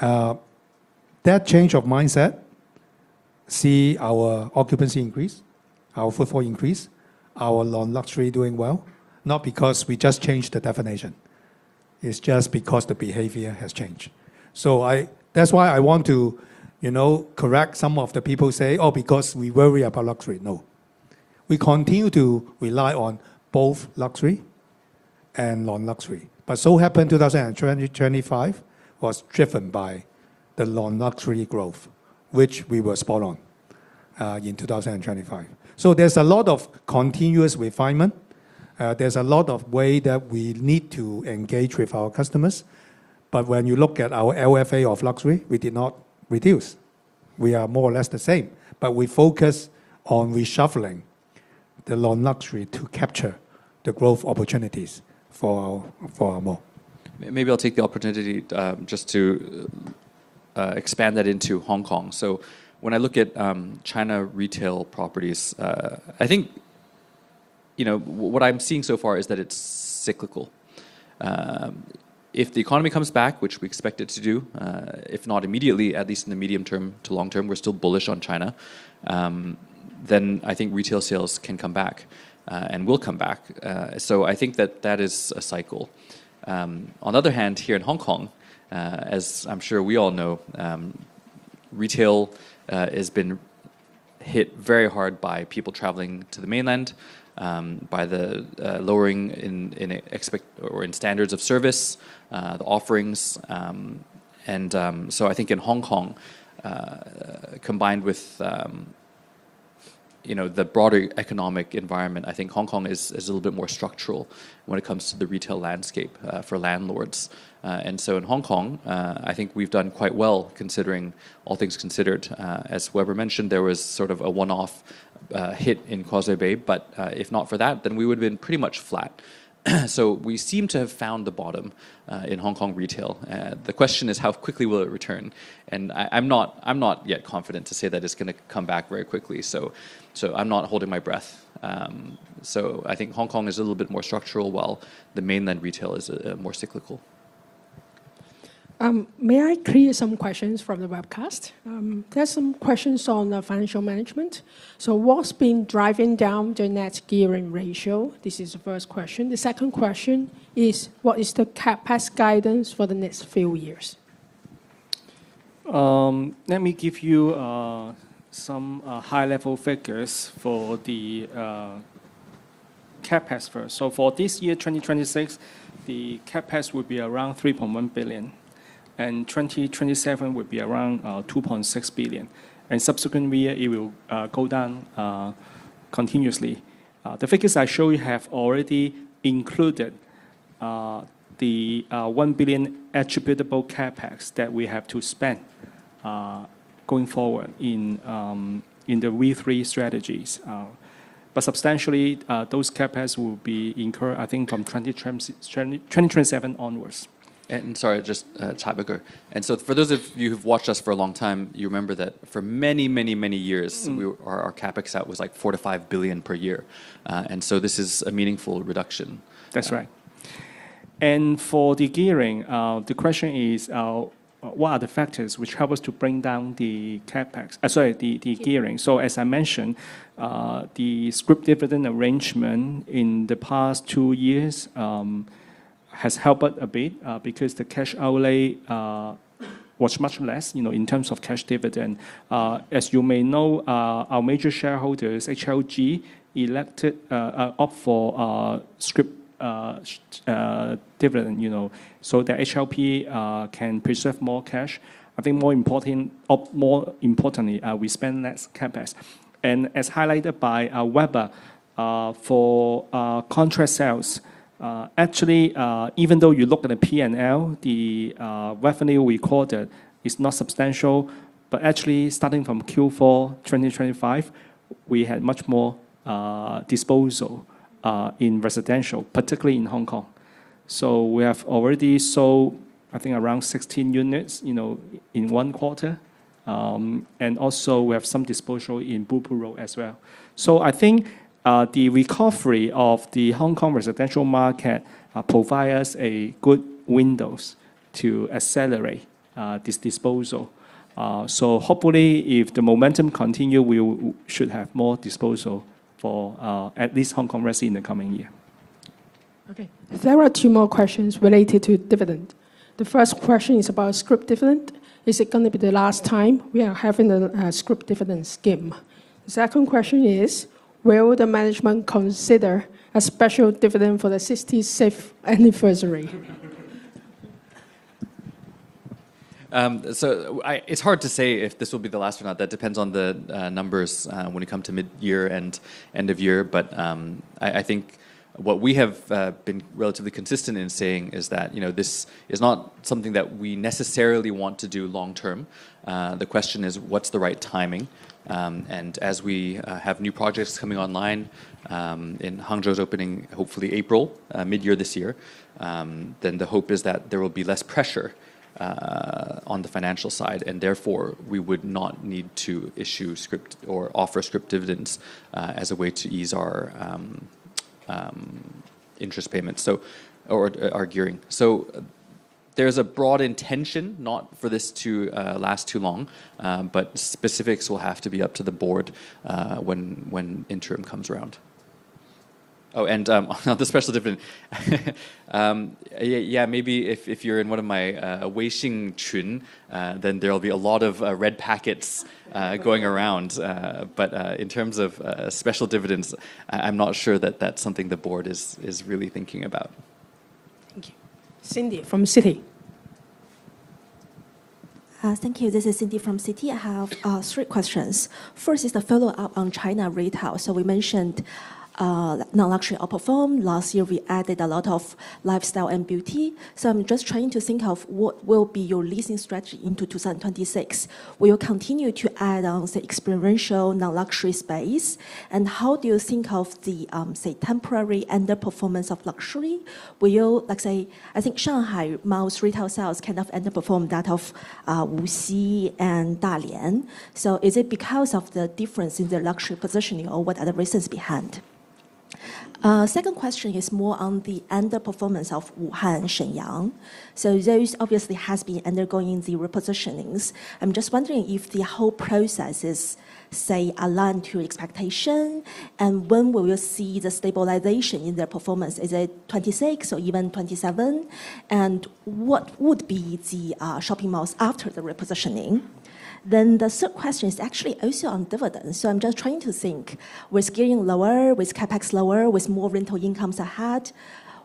That change of mindset see our occupancy increase, our footfall increase, our non-luxury doing well, not because we just changed the definition. It's just because the behavior has changed. So that's why I want to, you know, correct some of the people say, "Oh, because we worry about luxury." No. We continue to rely on both luxury and non-luxury, but so happened 2020-2025 was driven by the non-luxury growth, which we were spot on in 2025. So there's a lot of continuous refinement. There's a lot of way that we need to engage with our customers. But when you look at our LFA of luxury, we did not reduce. We are more or less the same, but we focus on reshuffling the non-luxury to capture the growth opportunities for our, for our mall. Maybe I'll take the opportunity, just to expand that into Hong Kong. So when I look at China retail properties, I think, you know, what I'm seeing so far is that it's cyclical. If the economy comes back, which we expect it to do, if not immediately, at least in the medium term to long term, we're still bullish on China, then I think retail sales can come back, and will come back. So I think that that is a cycle. On the other hand, here in Hong Kong, as I'm sure we all know, retail has been hit very hard by people traveling to the mainland, by the lowering in expectations or in standards of service, the offerings. And so I think in Hong Kong, combined with, you know, the broader economic environment, I think Hong Kong is a little bit more structural when it comes to the retail landscape, for landlords. And so in Hong Kong, I think we've done quite well, considering, all things considered. As Weber mentioned, there was sort of a one-off hit in Causeway Bay, but if not for that, then we would have been pretty much flat. So we seem to have found the bottom in Hong Kong retail. The question is, how quickly will it return? And I'm not yet confident to say that it's gonna come back very quickly, so I'm not holding my breath. So I think Hong Kong is a little bit more structural, while the mainland retail is more cyclical. May I clear some questions from the webcast? There are some questions on the financial management. So what's been driving down the net gearing ratio? This is the first question. The second question is, what is the CapEx guidance for the next few years? Let me give you some high-level figures for the CapEx first. So for this year, 2026, the CapEx will be around 3.1 billion, and 2027 would be around 2.6 billion. Subsequent year, it will go down continuously. The figures I show you have already included the one billion attributable CapEx that we have to spend going forward in the V.3 strategies. But substantially, those CapEx will be incurred, I think, from 2027 onwards. Sorry, just tap quicker. So for those of you who've watched us for a long time, you remember that for many, many, many years our CapEx, that was like 4 billion-5 billion per year. And so this is a meaningful reduction. That's right. And for the gearing, the question is, what are the factors which help us to bring down the CapEx, sorry, the gearing? So as I mentioned, the scrip dividend arrangement in the past two years has helped a bit, because the cash outlay was much less, you know, in terms of cash dividend. As you may know, our major shareholder is HLG, elected up for scrip dividend, you know, so that HLB can preserve more cash. I think more important, more importantly, we spend less CapEx. And as highlighted by Weber, for contract sales, actually, even though you look at the P&L, the revenue we quoted is not substantial. But actually, starting from Q4 2025, we had much more disposal in residential, particularly in Hong Kong. So we have already sold, I think, around 16 units, you know, in one quarter. And also we have some disposal in Blue Pool Road as well. So I think, the recovery of the Hong Kong residential market, provide us a good window to accelerate, this disposal. So hopefully, if the momentum continue, we should have more disposal for, at least Hong Kong resi in the coming year. Okay. There are two more questions related to dividend. The first question is about scrip dividend. Is it gonna be the last time we are having a scrip dividend scheme? The second question is, will the management consider a special dividend for the 66th anniversary? So, it's hard to say if this will be the last or not. That depends on the numbers when it come to midyear and end of year. But I think what we have been relatively consistent in saying is that, you know, this is not something that we necessarily want to do long term. The question is, what's the right timing? And as we have new projects coming online and Hangzhou's opening, hopefully April midyear this year, then the hope is that there will be less pressure on the financial side, and therefore, we would not need to issue scrip or offer scrip dividends as a way to ease our interest payments, so or our gearing. So there's a broad intention not for this to last too long, but specifics will have to be up to the board when interim comes around. Oh, and on the special dividend, yeah, yeah, maybe if you're in one of my Weixin Chun, then there will be a lot of red packets going around. But in terms of special dividends, I'm not sure that that's something the board is really thinking about. Thank you. Cindy from Citi. Thank you. This is Cindy from Citi. I have three questions. First is the follow-up on China retail. So we mentioned non-luxury outperformed. Last year, we added a lot of lifestyle and beauty. So I'm just trying to think of what will be your leasing strategy into 2026. Will you continue to add on, say, experiential, non-luxury space? And how do you think of the, say, temporary underperformance of luxury? Will you, let's say, I think Shanghai malls retail sales kind of underperform that of Wuxi and Dalian. So is it because of the difference in the luxury positioning, or what are the reasons behind? Second question is more on the underperformance of Wuhan and Shenyang. So those obviously has been undergoing the repositionings. I'm just wondering if the whole process is, say, aligned to expectation, and when will we see the stabilization in their performance? Is it 2026 or even 2027? And what would be the shopping malls after the repositioning? Then the third question is actually also on dividends. So I'm just trying to think, with gearing lower, with CapEx lower, with more rental incomes ahead,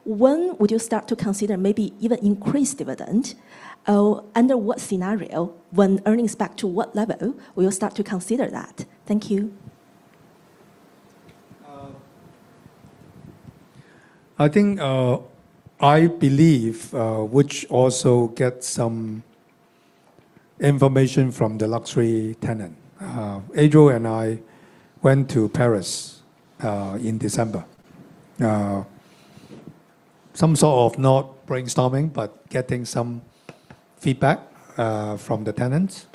when would you start to consider maybe even increase dividend? Under what scenario, when earnings back to what level, will you start to consider that? Thank you. I think, I believe, which also get some information from the luxury tenant. Adriel and I went to Paris, in December. Some sort of not brainstorming, but getting some feedback, from the tenants.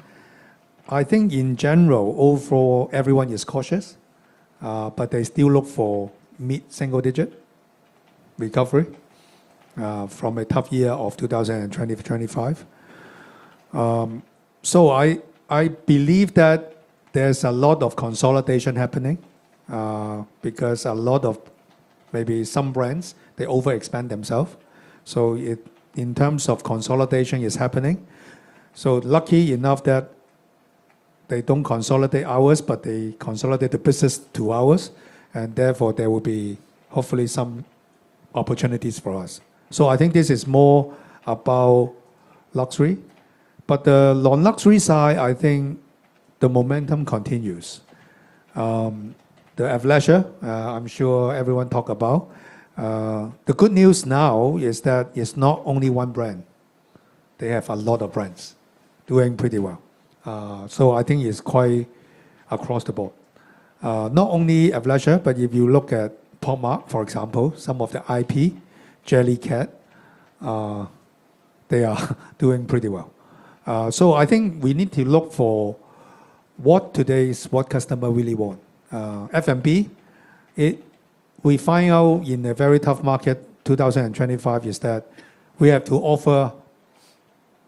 I think in general, overall, everyone is cautious, but they still look for mid-single digit recovery, from a tough year of 2025. So I, I believe that there's a lot of consolidation happening, because a lot of maybe some brands, they overexpand themselves. So in, in terms of consolidation, is happening. So lucky enough that they don't consolidate ours, but they consolidate the business to ours, and therefore, there will be hopefully some opportunities for us. So I think this is more about luxury. But the non-luxury side, I think the momentum continues. Athleisure, I'm sure everyone talk about. The good news now is that it's not only one brand. They have a lot of brands doing pretty well. So I think it's quite across the board. Not only athleisure, but if you look at Pop Mart, for example, some of the IP, Jellycat, they are doing pretty well. So I think we need to look for what today's customer really want. F&B, we find out in a very tough market, 2025, is that we have to offer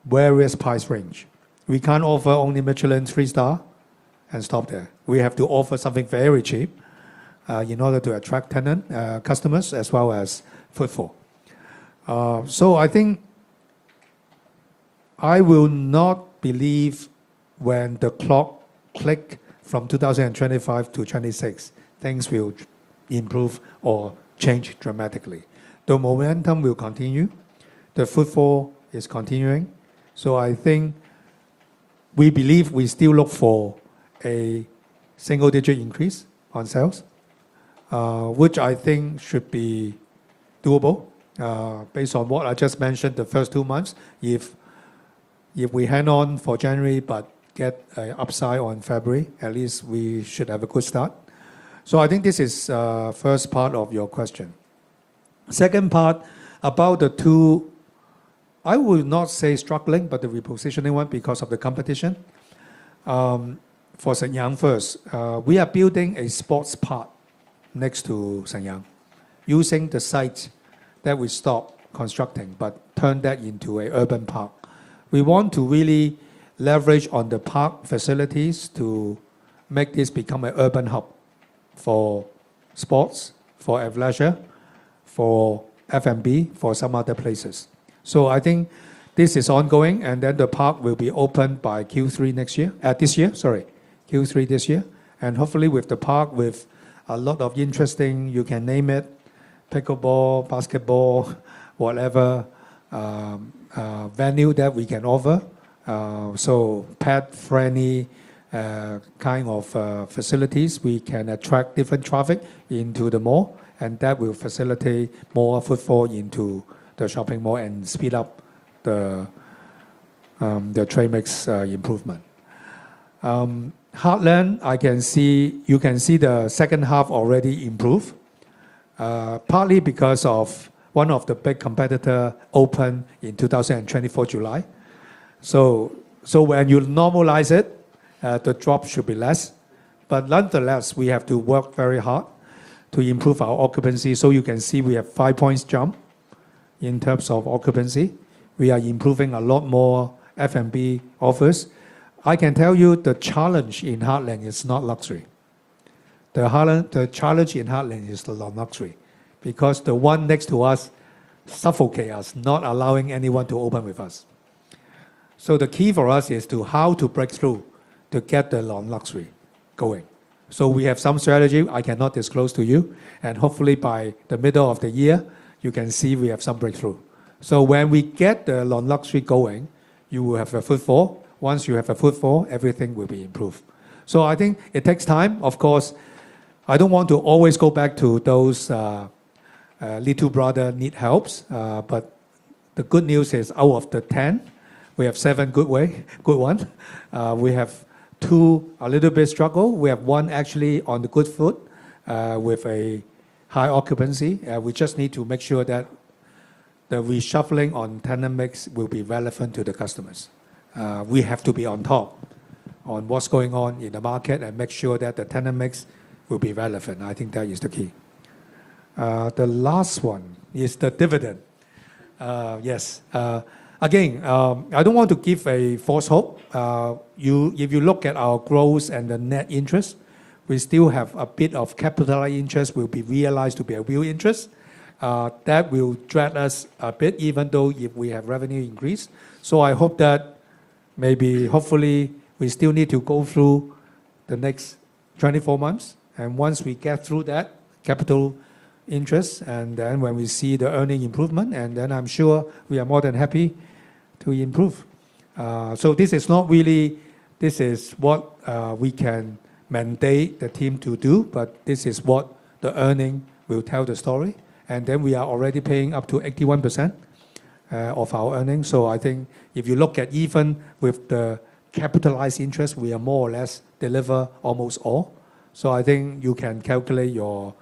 various price range. We can't offer only Michelin three star and stop there. We have to offer something very cheap, in order to attract tenant, customers as well as footfall. So I think I will not believe when the clock clicks from 2025 to 2026, things will improve or change dramatically. The momentum will continue. The footfall is continuing, so I think we believe we still look for a single-digit increase on sales, which I think should be doable, based on what I just mentioned the first two months. If we hang on for January but get an upside on February, at least we should have a good start. So I think this is, first part of your question. Second part, about the two, I would not say struggling, but the repositioning one because of the competition. For Shenyang first, we are building a sports park next to Shenyang, using the site that we stopped constructing, but turn that into an urban park. We want to really leverage on the park facilities to make this become an urban hub for sports, for athleisure, for F&B, for some other places. So I think this is ongoing, and then the park will be opened by Q3 this year. And hopefully, with the park, with a lot of interesting, you can name it, pickleball, basketball, whatever, venue that we can offer. So pet-friendly, kind of, facilities, we can attract different traffic into the mall, and that will facilitate more footfall into the shopping mall and speed up the trade mix improvement. Heartland, I can see you can see the second half already improve, partly because of one of the big competitor opened in July 2024. So, so when you normalize it, the drop should be less, but nonetheless, we have to work very hard to improve our occupancy. So you can see we have 5 points jump in terms of occupancy. We are improving a lot more F&B offers. I can tell you the challenge in Heartland is not luxury. The challenge in Heartland is the non-luxury, because the one next to us suffocate us, not allowing anyone to open with us. So the key for us is to how to break through to get the non-luxury going. So we have some strategy I cannot disclose to you, and hopefully by the middle of the year, you can see we have some breakthrough. So when we get the non-luxury going, you will have a footfall. Once you have a footfall, everything will be improved. So I think it takes time. Of course, I don't want to always go back to those, little brother need helps, but the good news is, out of the 10, we have seven good one. We have two a little bit struggle. We have one actually on the good foot, with a high occupancy. We just need to make sure that the reshuffling on tenant mix will be relevant to the customers. We have to be on top on what's going on in the market and make sure that the tenant mix will be relevant. I think that is the key. The last one is the dividend. Yes. Again, I don't want to give a false hope. If you look at our growth and the net interest, we still have a bit of capital interest will be realized to be a real interest. That will drag us a bit, even though if we have revenue increase. So I hope that maybe, hopefully, we still need to go through the next 24 months, and once we get through that capital interest, and then when we see the earning improvement, and then I'm sure we are more than happy to improve. So this is not really, this is what we can mandate the team to do, but this is what the earning will tell the story. And then we are already paying up to 81% of our earnings. So I think if you look at even with the capitalized interest, we are more or less deliver almost all. So I think you can calculate your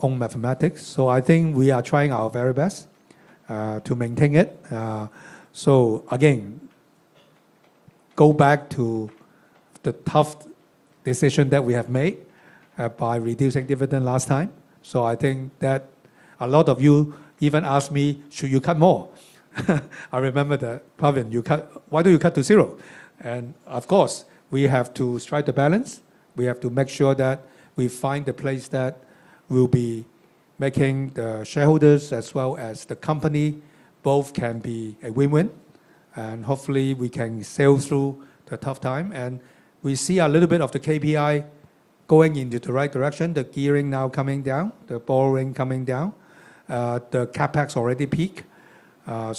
own mathematics. I think we are trying our very best to maintain it. Again, go back to the tough decision that we have made by reducing dividend last time. I think that a lot of you even ask me, "Should you cut more?" I remember that, Pavin, you cut, "Why don't you cut to zero?" Of course, we have to strike the balance. We have to make sure that we find the place that will be making the shareholders as well as the company, both can be a win-win. And hopefully, we can sail through the tough time, and we see a little bit of the KPI going into the right direction, the gearing now coming down, the borrowing coming down. The CapEx already peak. A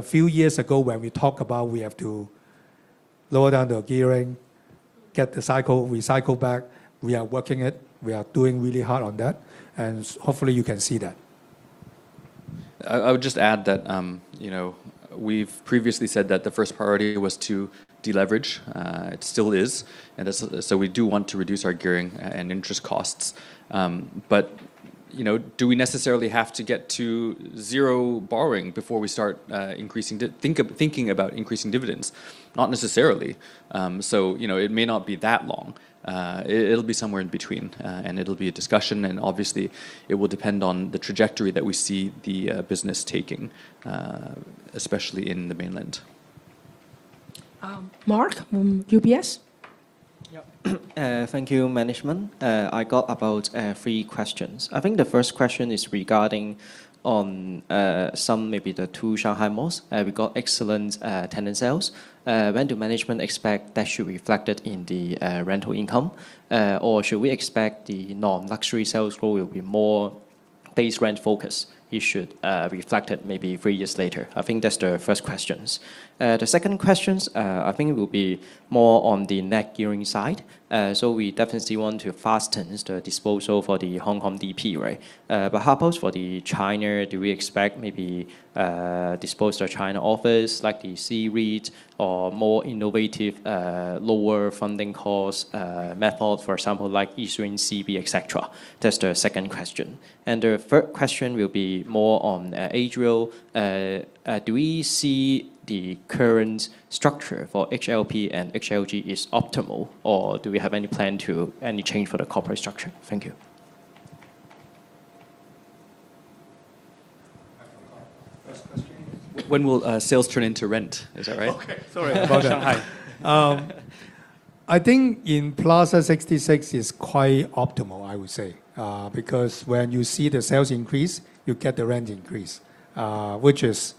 few years ago when we talk about we have to lower down the gearing, get the cycle, recycle back, we are working it. We are doing really hard on that, and hopefully you can see that. I would just add that, you know, we've previously said that the first priority was to deleverage. It still is, and so we do want to reduce our gearing and interest costs. But, you know, do we necessarily have to get to zero borrowing before we start thinking about increasing dividends? Not necessarily. So, you know, it may not be that long. It'll be somewhere in between, and it'll be a discussion, and obviously, it will depend on the trajectory that we see the business taking, especially in the mainland. Mark from UBS? Yep. Thank you, management. I got about three questions. I think the first question is regarding on some, maybe the two Shanghai malls. We got excellent tenant sales. When do management expect that should reflected in the rental income? Should we expect the non-luxury sales floor will be more base rent focus, it should reflected maybe three years later? I think that's the first questions. The second questions, I think will be more on the net gearing side. So we definitely want to fasten the disposal for the Hong Kong DP, right? But how about for the China, do we expect maybe dispose the China office, like the C-REIT or more innovative lower funding costs method, for example, like issuing CB, et cetera? That's the second question. The third question will be more on Adriel. Do we see the current structure for HLP and HLG is optimal, or do we have any plan to any change for the corporate structure? Thank you. When will sales turn into rent? Is that right? Okay. Sorry about that. I think in Plaza 66 is quite optimal, I would say. Because when you see the sales increase, you get the rent increase, which is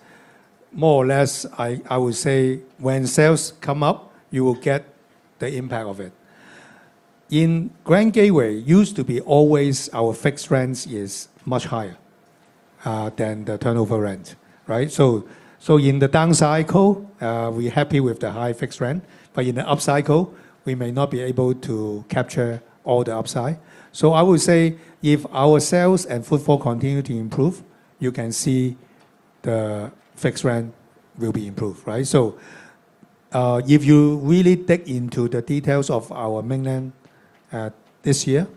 more or less, I would say, when sales come up, you will get the impact of it. In Grand Gateway, used to be always our fixed rents is much higher than the turnover rent, right? So in the down cycle, we're happy with the high fixed rent, but in the up cycle, we may not be able to capture all the upside. So I would say, if our sales and footfall continue to improve, you can see the fixed rent will be improved, right? So if you really dig into the details of our mainland, this year,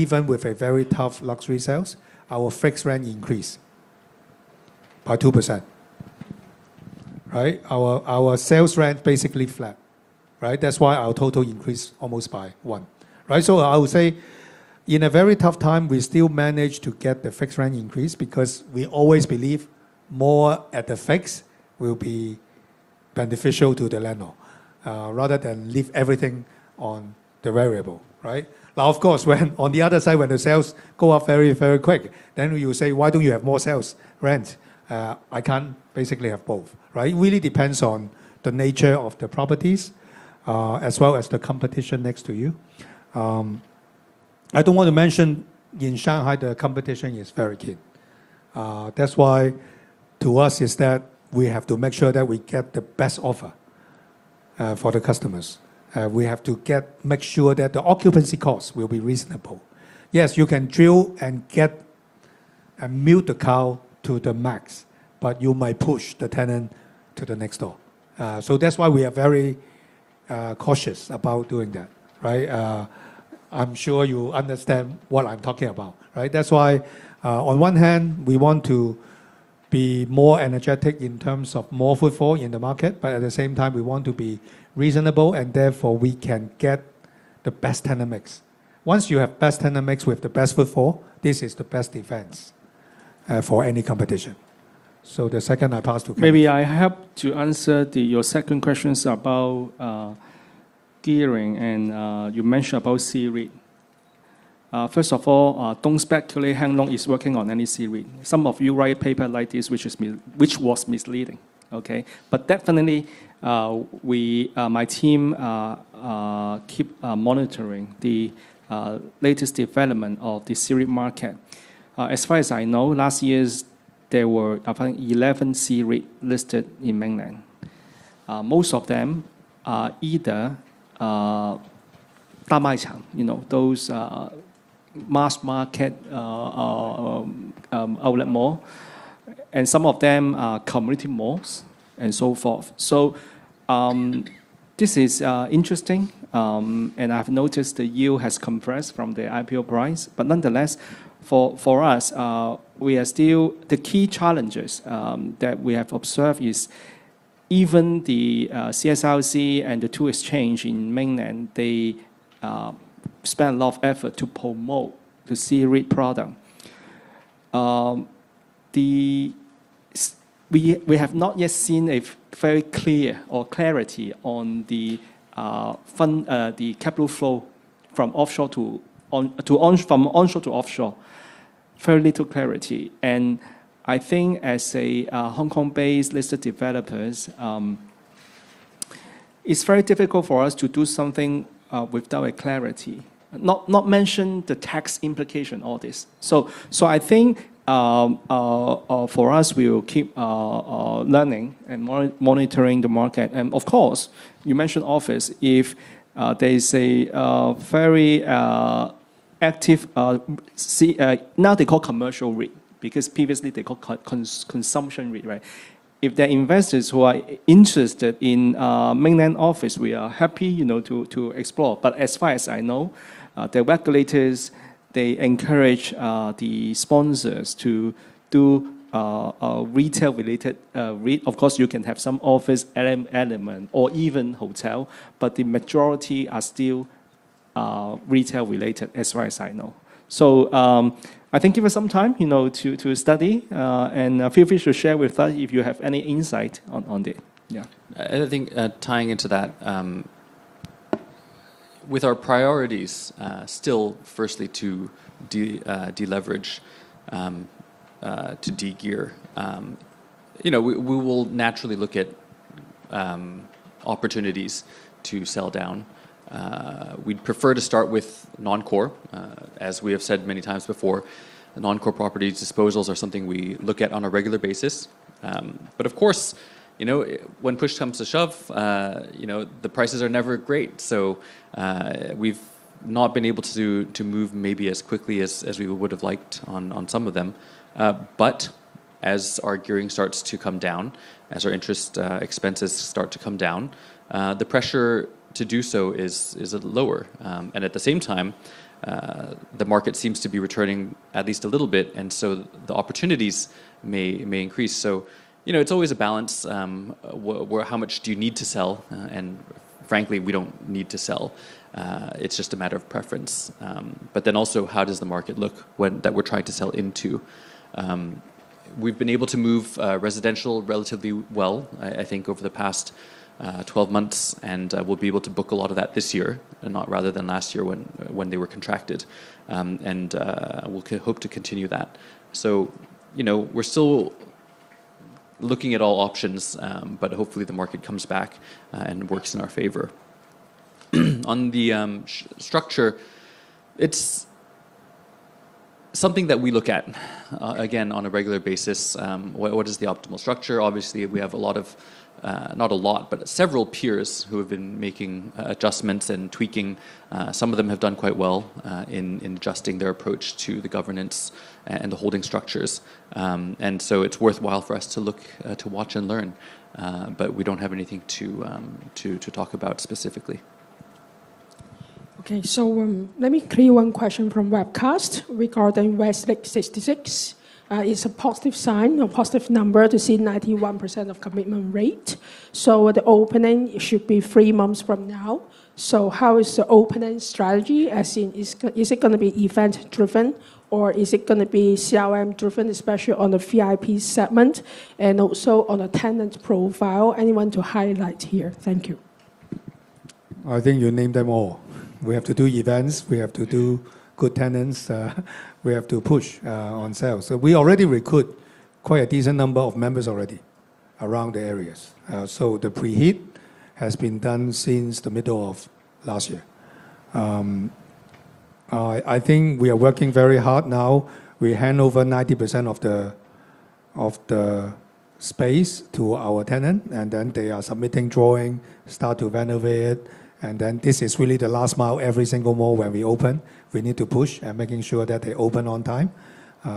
even with a very tough luxury sales, our fixed rent increased by 2%, right? Our sales rent basically flat, right? That's why our total increased almost by one, right? So I would say, in a very tough time, we still managed to get the fixed rent increase because we always believe more at the fixed will be beneficial to the landlord, rather than leave everything on the variable, right? Now, of course, when on the other side, when the sales go up very, very quick, then you say, "Why don't you have more sales rent?" I can't basically have both, right? It really depends on the nature of the properties, as well as the competition next to you. I don't want to mention, in Shanghai, the competition is very keen. That's why, to us, is that we have to make sure that we get the best offer, for the customers. We have to make sure that the occupancy costs will be reasonable. Yes, you can drill and get, and milk the cow to the max, but you might push the tenant to the next door. So that's why we are very cautious about doing that, right? I'm sure you understand what I'm talking about, right? That's why, on one hand, we want to be more energetic in terms of more footfall in the market, but at the same time, we want to be reasonable, and therefore, we can get the best tenant mix. Once you have best tenant mix with the best footfall, this is the best defense for any competition. So the second, I pass to Kenneth. Maybe I have to answer your second questions about gearing, and you mentioned about C-REIT. First of all, don't speculate Hang Lung is working on any C-REIT. Some of you write paper like this, which was misleading, okay? But definitely, we, my team, keep monitoring the latest development of the C-REIT market. As far as I know, last year there were, I think, 11 C-REIT listed in mainland. Most of them are either, you know, those mass market outlet mall, and some of them are community malls, and so forth. So, this is interesting, and I've noticed the yield has compressed from the IPO price. But nonetheless, for us, we are still. The key challenges that we have observed is even the CSRC and the two exchanges in mainland, they spend a lot of effort to promote the C-REIT product. We have not yet seen a very clear or clarity on the fund the capital flow from offshore to on to on- from onshore to offshore. Very little clarity, and I think as a Hong Kong-based listed developers it's very difficult for us to do something without clarity. Not mention the tax implication, all this. So I think for us, we will keep learning and monitoring the market. And of course, you mentioned office. If there is a very active now they call commercial REIT, because previously they called consumption REIT, right? If there are investors who are interested in mainland office, we are happy, you know, to explore. But as far as I know, the regulators, they encourage the sponsors to do a retail-related REIT. Of course, you can have some office element or even hotel, but the majority are still retail-related, as far as I know. So, I think give us some time, you know, to study, and feel free to share with us if you have any insight on it. Yeah. I think, tying into that, with our priorities, still firstly to de-leverage to de-gear, you know, we will naturally look at opportunities to sell down. We'd prefer to start with non-core. As we have said many times before, the non-core property disposals are something we look at on a regular basis. But of course, you know, when push comes to shove, you know, the prices are never great. So, we've not been able to move maybe as quickly as we would have liked on some of them. But as our gearing starts to come down, as our interest expenses start to come down, the pressure to do so is lower. And at the same time, the market seems to be returning at least a little bit, and so the opportunities may increase. So, you know, it's always a balance where how much do you need to sell, and frankly, we don't need to sell. It's just a matter of preference. But then also, how does the market look when that we're trying to sell into? We've been able to move residential relatively well, I think, over the past 12 months, and we'll be able to book a lot of that this year, and not rather than last year when they were contracted. And we'll hope to continue that. So, you know, we're still looking at all options, but hopefully the market comes back and works in our favor. On the structure, it's something that we look at again on a regular basis. What is the optimal structure? Obviously, we have a lot of not a lot, but several peers who have been making adjustments and tweaking. Some of them have done quite well in adjusting their approach to the governance and the holding structures. And so it's worthwhile for us to look to watch and learn. But we don't have anything to talk about specifically. Okay, so, let me clear one question from webcast regarding Westlake 66. It's a positive sign, a positive number to see 91% of commitment rate. So the opening should be three months from now. So how is the opening strategy, as in, is it gonna be event-driven, or is it gonna be CRM-driven, especially on the VIP segment, and also on the tenant profile? Anyone to highlight here? Thank you. I think you named them all. We have to do events. We have to do good tenants. We have to push on sales. So we already recruit quite a decent number of members already around the areas. So the pre-heat has been done since the middle of last year. I think we are working very hard now. We hand over 90% of the space to our tenant, and then they are submitting drawings, start to renovate. And then this is really the last mile. Every single mall, when we open, we need to push and making sure that they open on time.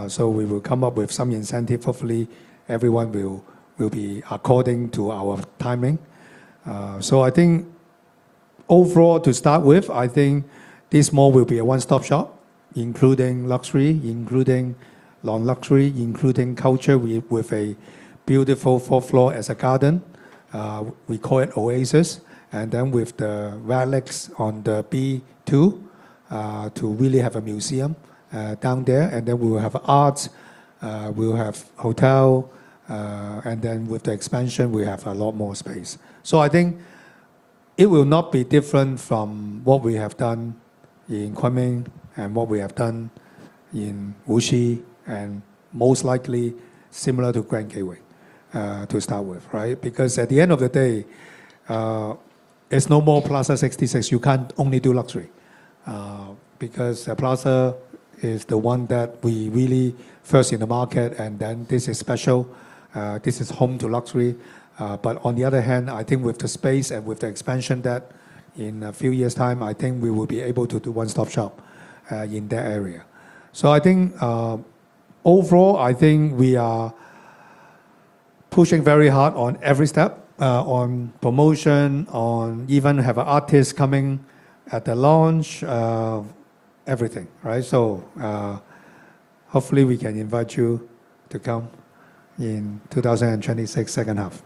So we will come up with some incentive. Hopefully, everyone will be according to our timing. So I think overall, to start with, I think this mall will be a one-stop shop, including luxury, including non-luxury, including culture, with a beautiful fourth floor as a garden. We call it Oasis. And then with the relics on the B2, to really have a museum down there. And then we will have art, we will have hotel, and then with the expansion, we have a lot more space. So I think it will not be different from what we have done in Kunming and what we have done in Wuxi, and most likely similar to Grand Gateway, to start with, right? Because at the end of the day, it's no more Plaza 66. You can't only do luxury, because a plaza is the one that we really first in the market, and then this is special. This is home to luxury. But on the other hand, I think with the space and with the expansion that in a few years' time, I think we will be able to do one-stop shop, in that area. So I think, overall, I think we are pushing very hard on every step, on promotion, on even have an artist coming at the launch, everything, right? So, hopefully, we can invite you to come in 2026, second half.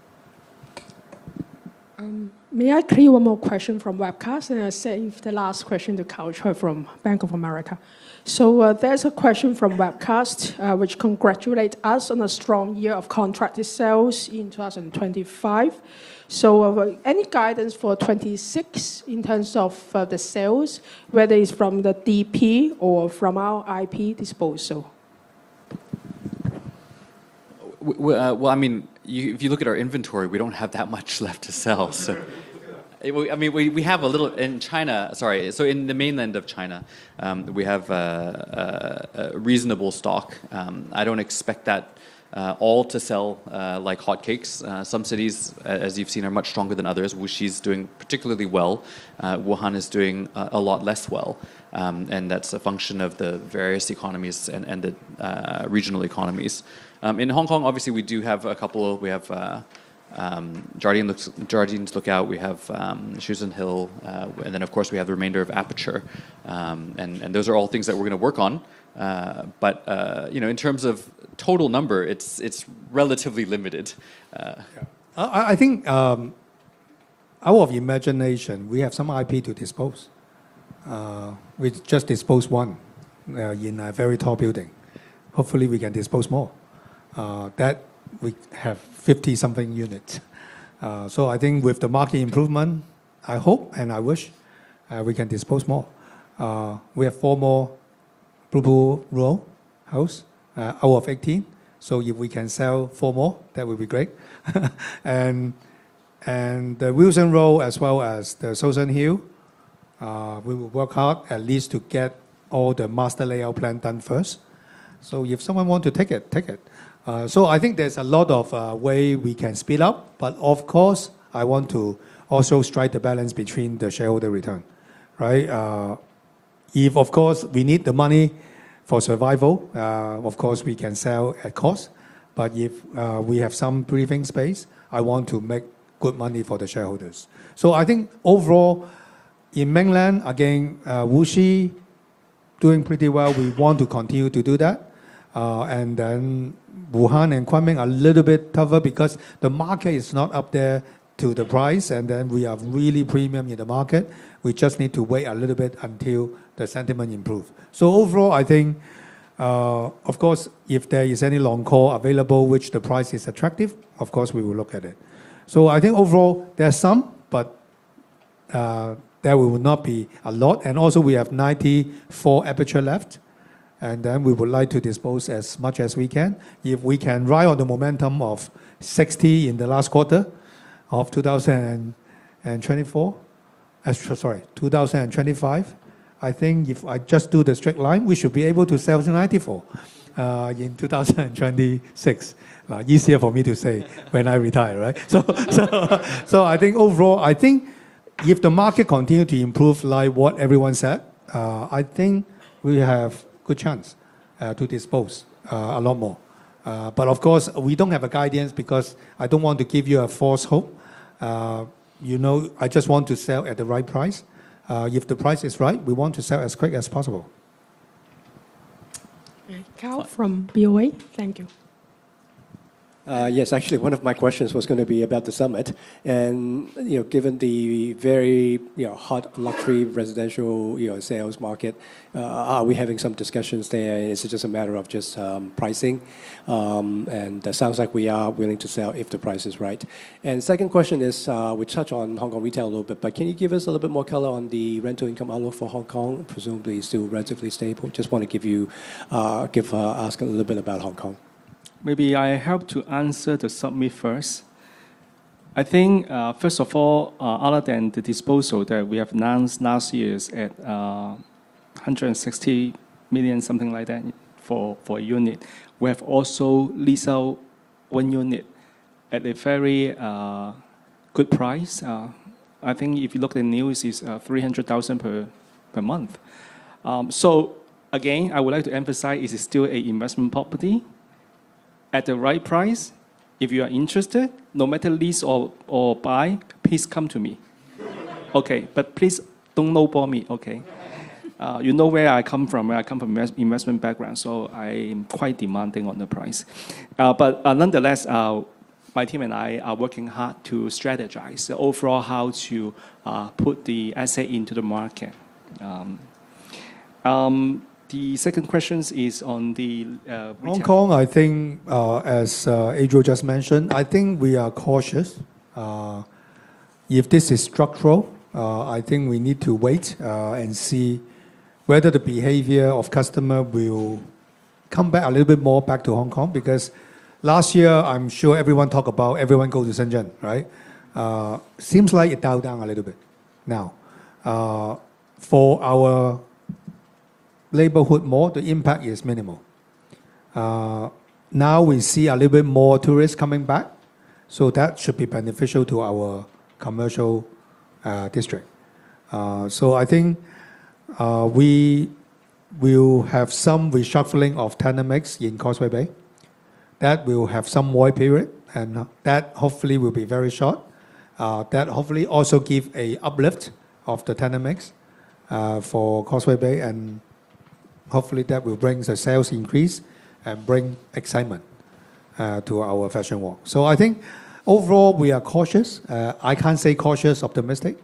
May I clear one more question from webcast, and I save the last question to Karl Choi from Bank of America. So, there's a question from webcast, which congratulate us on a strong year of contracted sales in 2025. So, any guidance for 2026 in terms of the sales, whether it's from the DP or from our IP disposal? Well, I mean, if you look at our inventory, we don't have that much left to sell, so. I mean, we have a little. In China, sorry, so in Mainland China, we have a reasonable stock. I don't expect that all to sell like hotcakes. Some cities, as you've seen, are much stronger than others. Wuxi is doing particularly well. Wuhan is doing a lot less well, and that's a function of the various economies and the regional economies. In Hong Kong, obviously, we do have a couple. We have Jardine's Lookout, we have Shouson Hill, and then, of course, we have the remainder of Aperture. And those are all things that we're gonna work on. But you know, in terms of total number, it's relatively limited. Yeah. I think out of imagination, we have some IP to dispose. We just disposed one in a very tall building. Hopefully, we can dispose more. That we have 50-something units. So I think with the market improvement, I hope and I wish we can dispose more. We have four more Blue Pool Road out of 18, so if we can sell four more, that would be great. And the Wilson Road, as well as the Shouson Hill, we will work hard at least to get all the master layout plan done first. So if someone want to take it, take it. So I think there's a lot of way we can speed up, but of course, I want to also strike the balance between the shareholder return, right? If, of course, we need the money for survival, of course, we can sell at cost. But if we have some breathing space, I want to make good money for the shareholders. So I think overall, in mainland, again, Wuxi doing pretty well. We want to continue to do that. And then Wuhan and Kunming are a little bit tougher because the market is not up there to the price, and then we are really premium in the market. We just need to wait a little bit until the sentiment improves. So overall, I think, of course, if there is any long call available, which the price is attractive, of course, we will look at it. So I think overall, there are some, but there will not be a lot. And also, we have 94 Aperture left, and then we would like to dispose as much as we can. If we can ride on the momentum of 60 in the last quarter of 2024, sorry, 2025, I think if I just do the straight line, we should be able to sell to 94 in 2026. Easier for me to say when I retire, right? So, I think overall, I think if the market continue to improve, like what everyone said, I think we have good chance to dispose a lot more. But of course, we don't have a guidance because I don't want to give you a false hope. You know, I just want to sell at the right price. If the price is right, we want to sell as quick as possible. Karl from BofA. Thank you. Yes, actually, one of my questions was gonna be about the Summit. And, you know, given the very, you know, hot luxury residential, you know, sales market, are we having some discussions there, or is it just a matter of just pricing? And that sounds like we are willing to sell if the price is right. And second question is, we touched on Hong Kong retail a little bit, but can you give us a little bit more color on the rental income outlook for Hong Kong? Presumably, still relatively stable. Just want to ask a little bit about Hong Kong. Maybe I help to answer the Summit first. I think, first of all, other than the disposal that we have announced last year at 160 million, something like that, for a unit, we have also leased out one unit at a very good price. I think if you look at the news, it's 300,000 per month. So again, I would like to emphasize, it is still a investment property. At the right price, if you are interested, no matter lease or buy, please come to me. Okay, but please don't lowball me, okay? You know where I come from. I come from investment background, so I am quite demanding on the price. But nonetheless, my team and I are working hard to strategize overall how to put the asset into the market. The second questions is on the retail. Hong Kong, I think, as Adriel just mentioned, I think we are cautious. If this is structural, I think we need to wait and see whether the behavior of customer will come back a little bit more back to Hong Kong, because last year, I'm sure everyone talk about everyone go to Shenzhen, right? Seems like it dial down a little bit now. For our neighborhood mall, the impact is minimal. Now we see a little bit more tourists coming back, so that should be beneficial to our commercial district. So I think, we will have some reshuffling of tenant mix in Causeway Bay. That will have some void period, and that hopefully will be very short. That hopefully also give a uplift of the tenant mix, for Causeway Bay, and hopefully, that will bring the sales increase and bring excitement, to our Fashion Walk. So I think overall, we are cautious. I can't say cautious optimistic,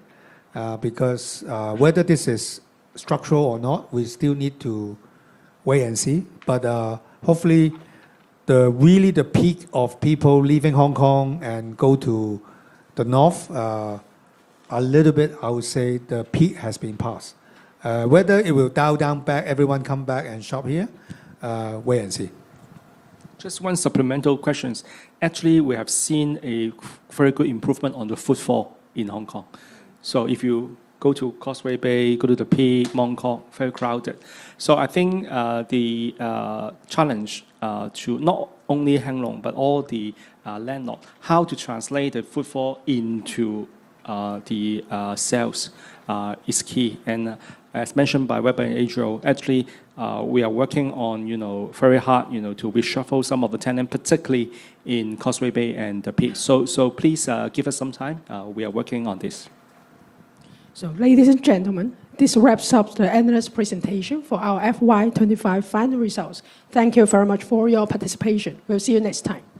because, whether this is structural or not, we still need to wait and see. But, hopefully, really the peak of people leaving Hong Kong and go to the north, a little bit, I would say, the peak has been passed. Whether it will dial down back, everyone come back and shop here, wait and see. Just one supplemental question. Actually, we have seen a very good improvement on the footfall in Hong Kong. So if you go to Causeway Bay, go to the Peak, Mong Kok, very crowded. So I think the challenge to not only Hang Lung, but all the landlords, how to translate the footfall into the sales is key. And as mentioned by Weber and Adriel, actually, we are working on, you know, very hard, you know, to reshuffle some of the tenants, particularly in Causeway Bay and the Peak. So please give us some time. We are working on this. Ladies and gentlemen, this wraps up the analyst presentation for our FY 2025 final results. Thank you very much for your participation. We'll see you next time.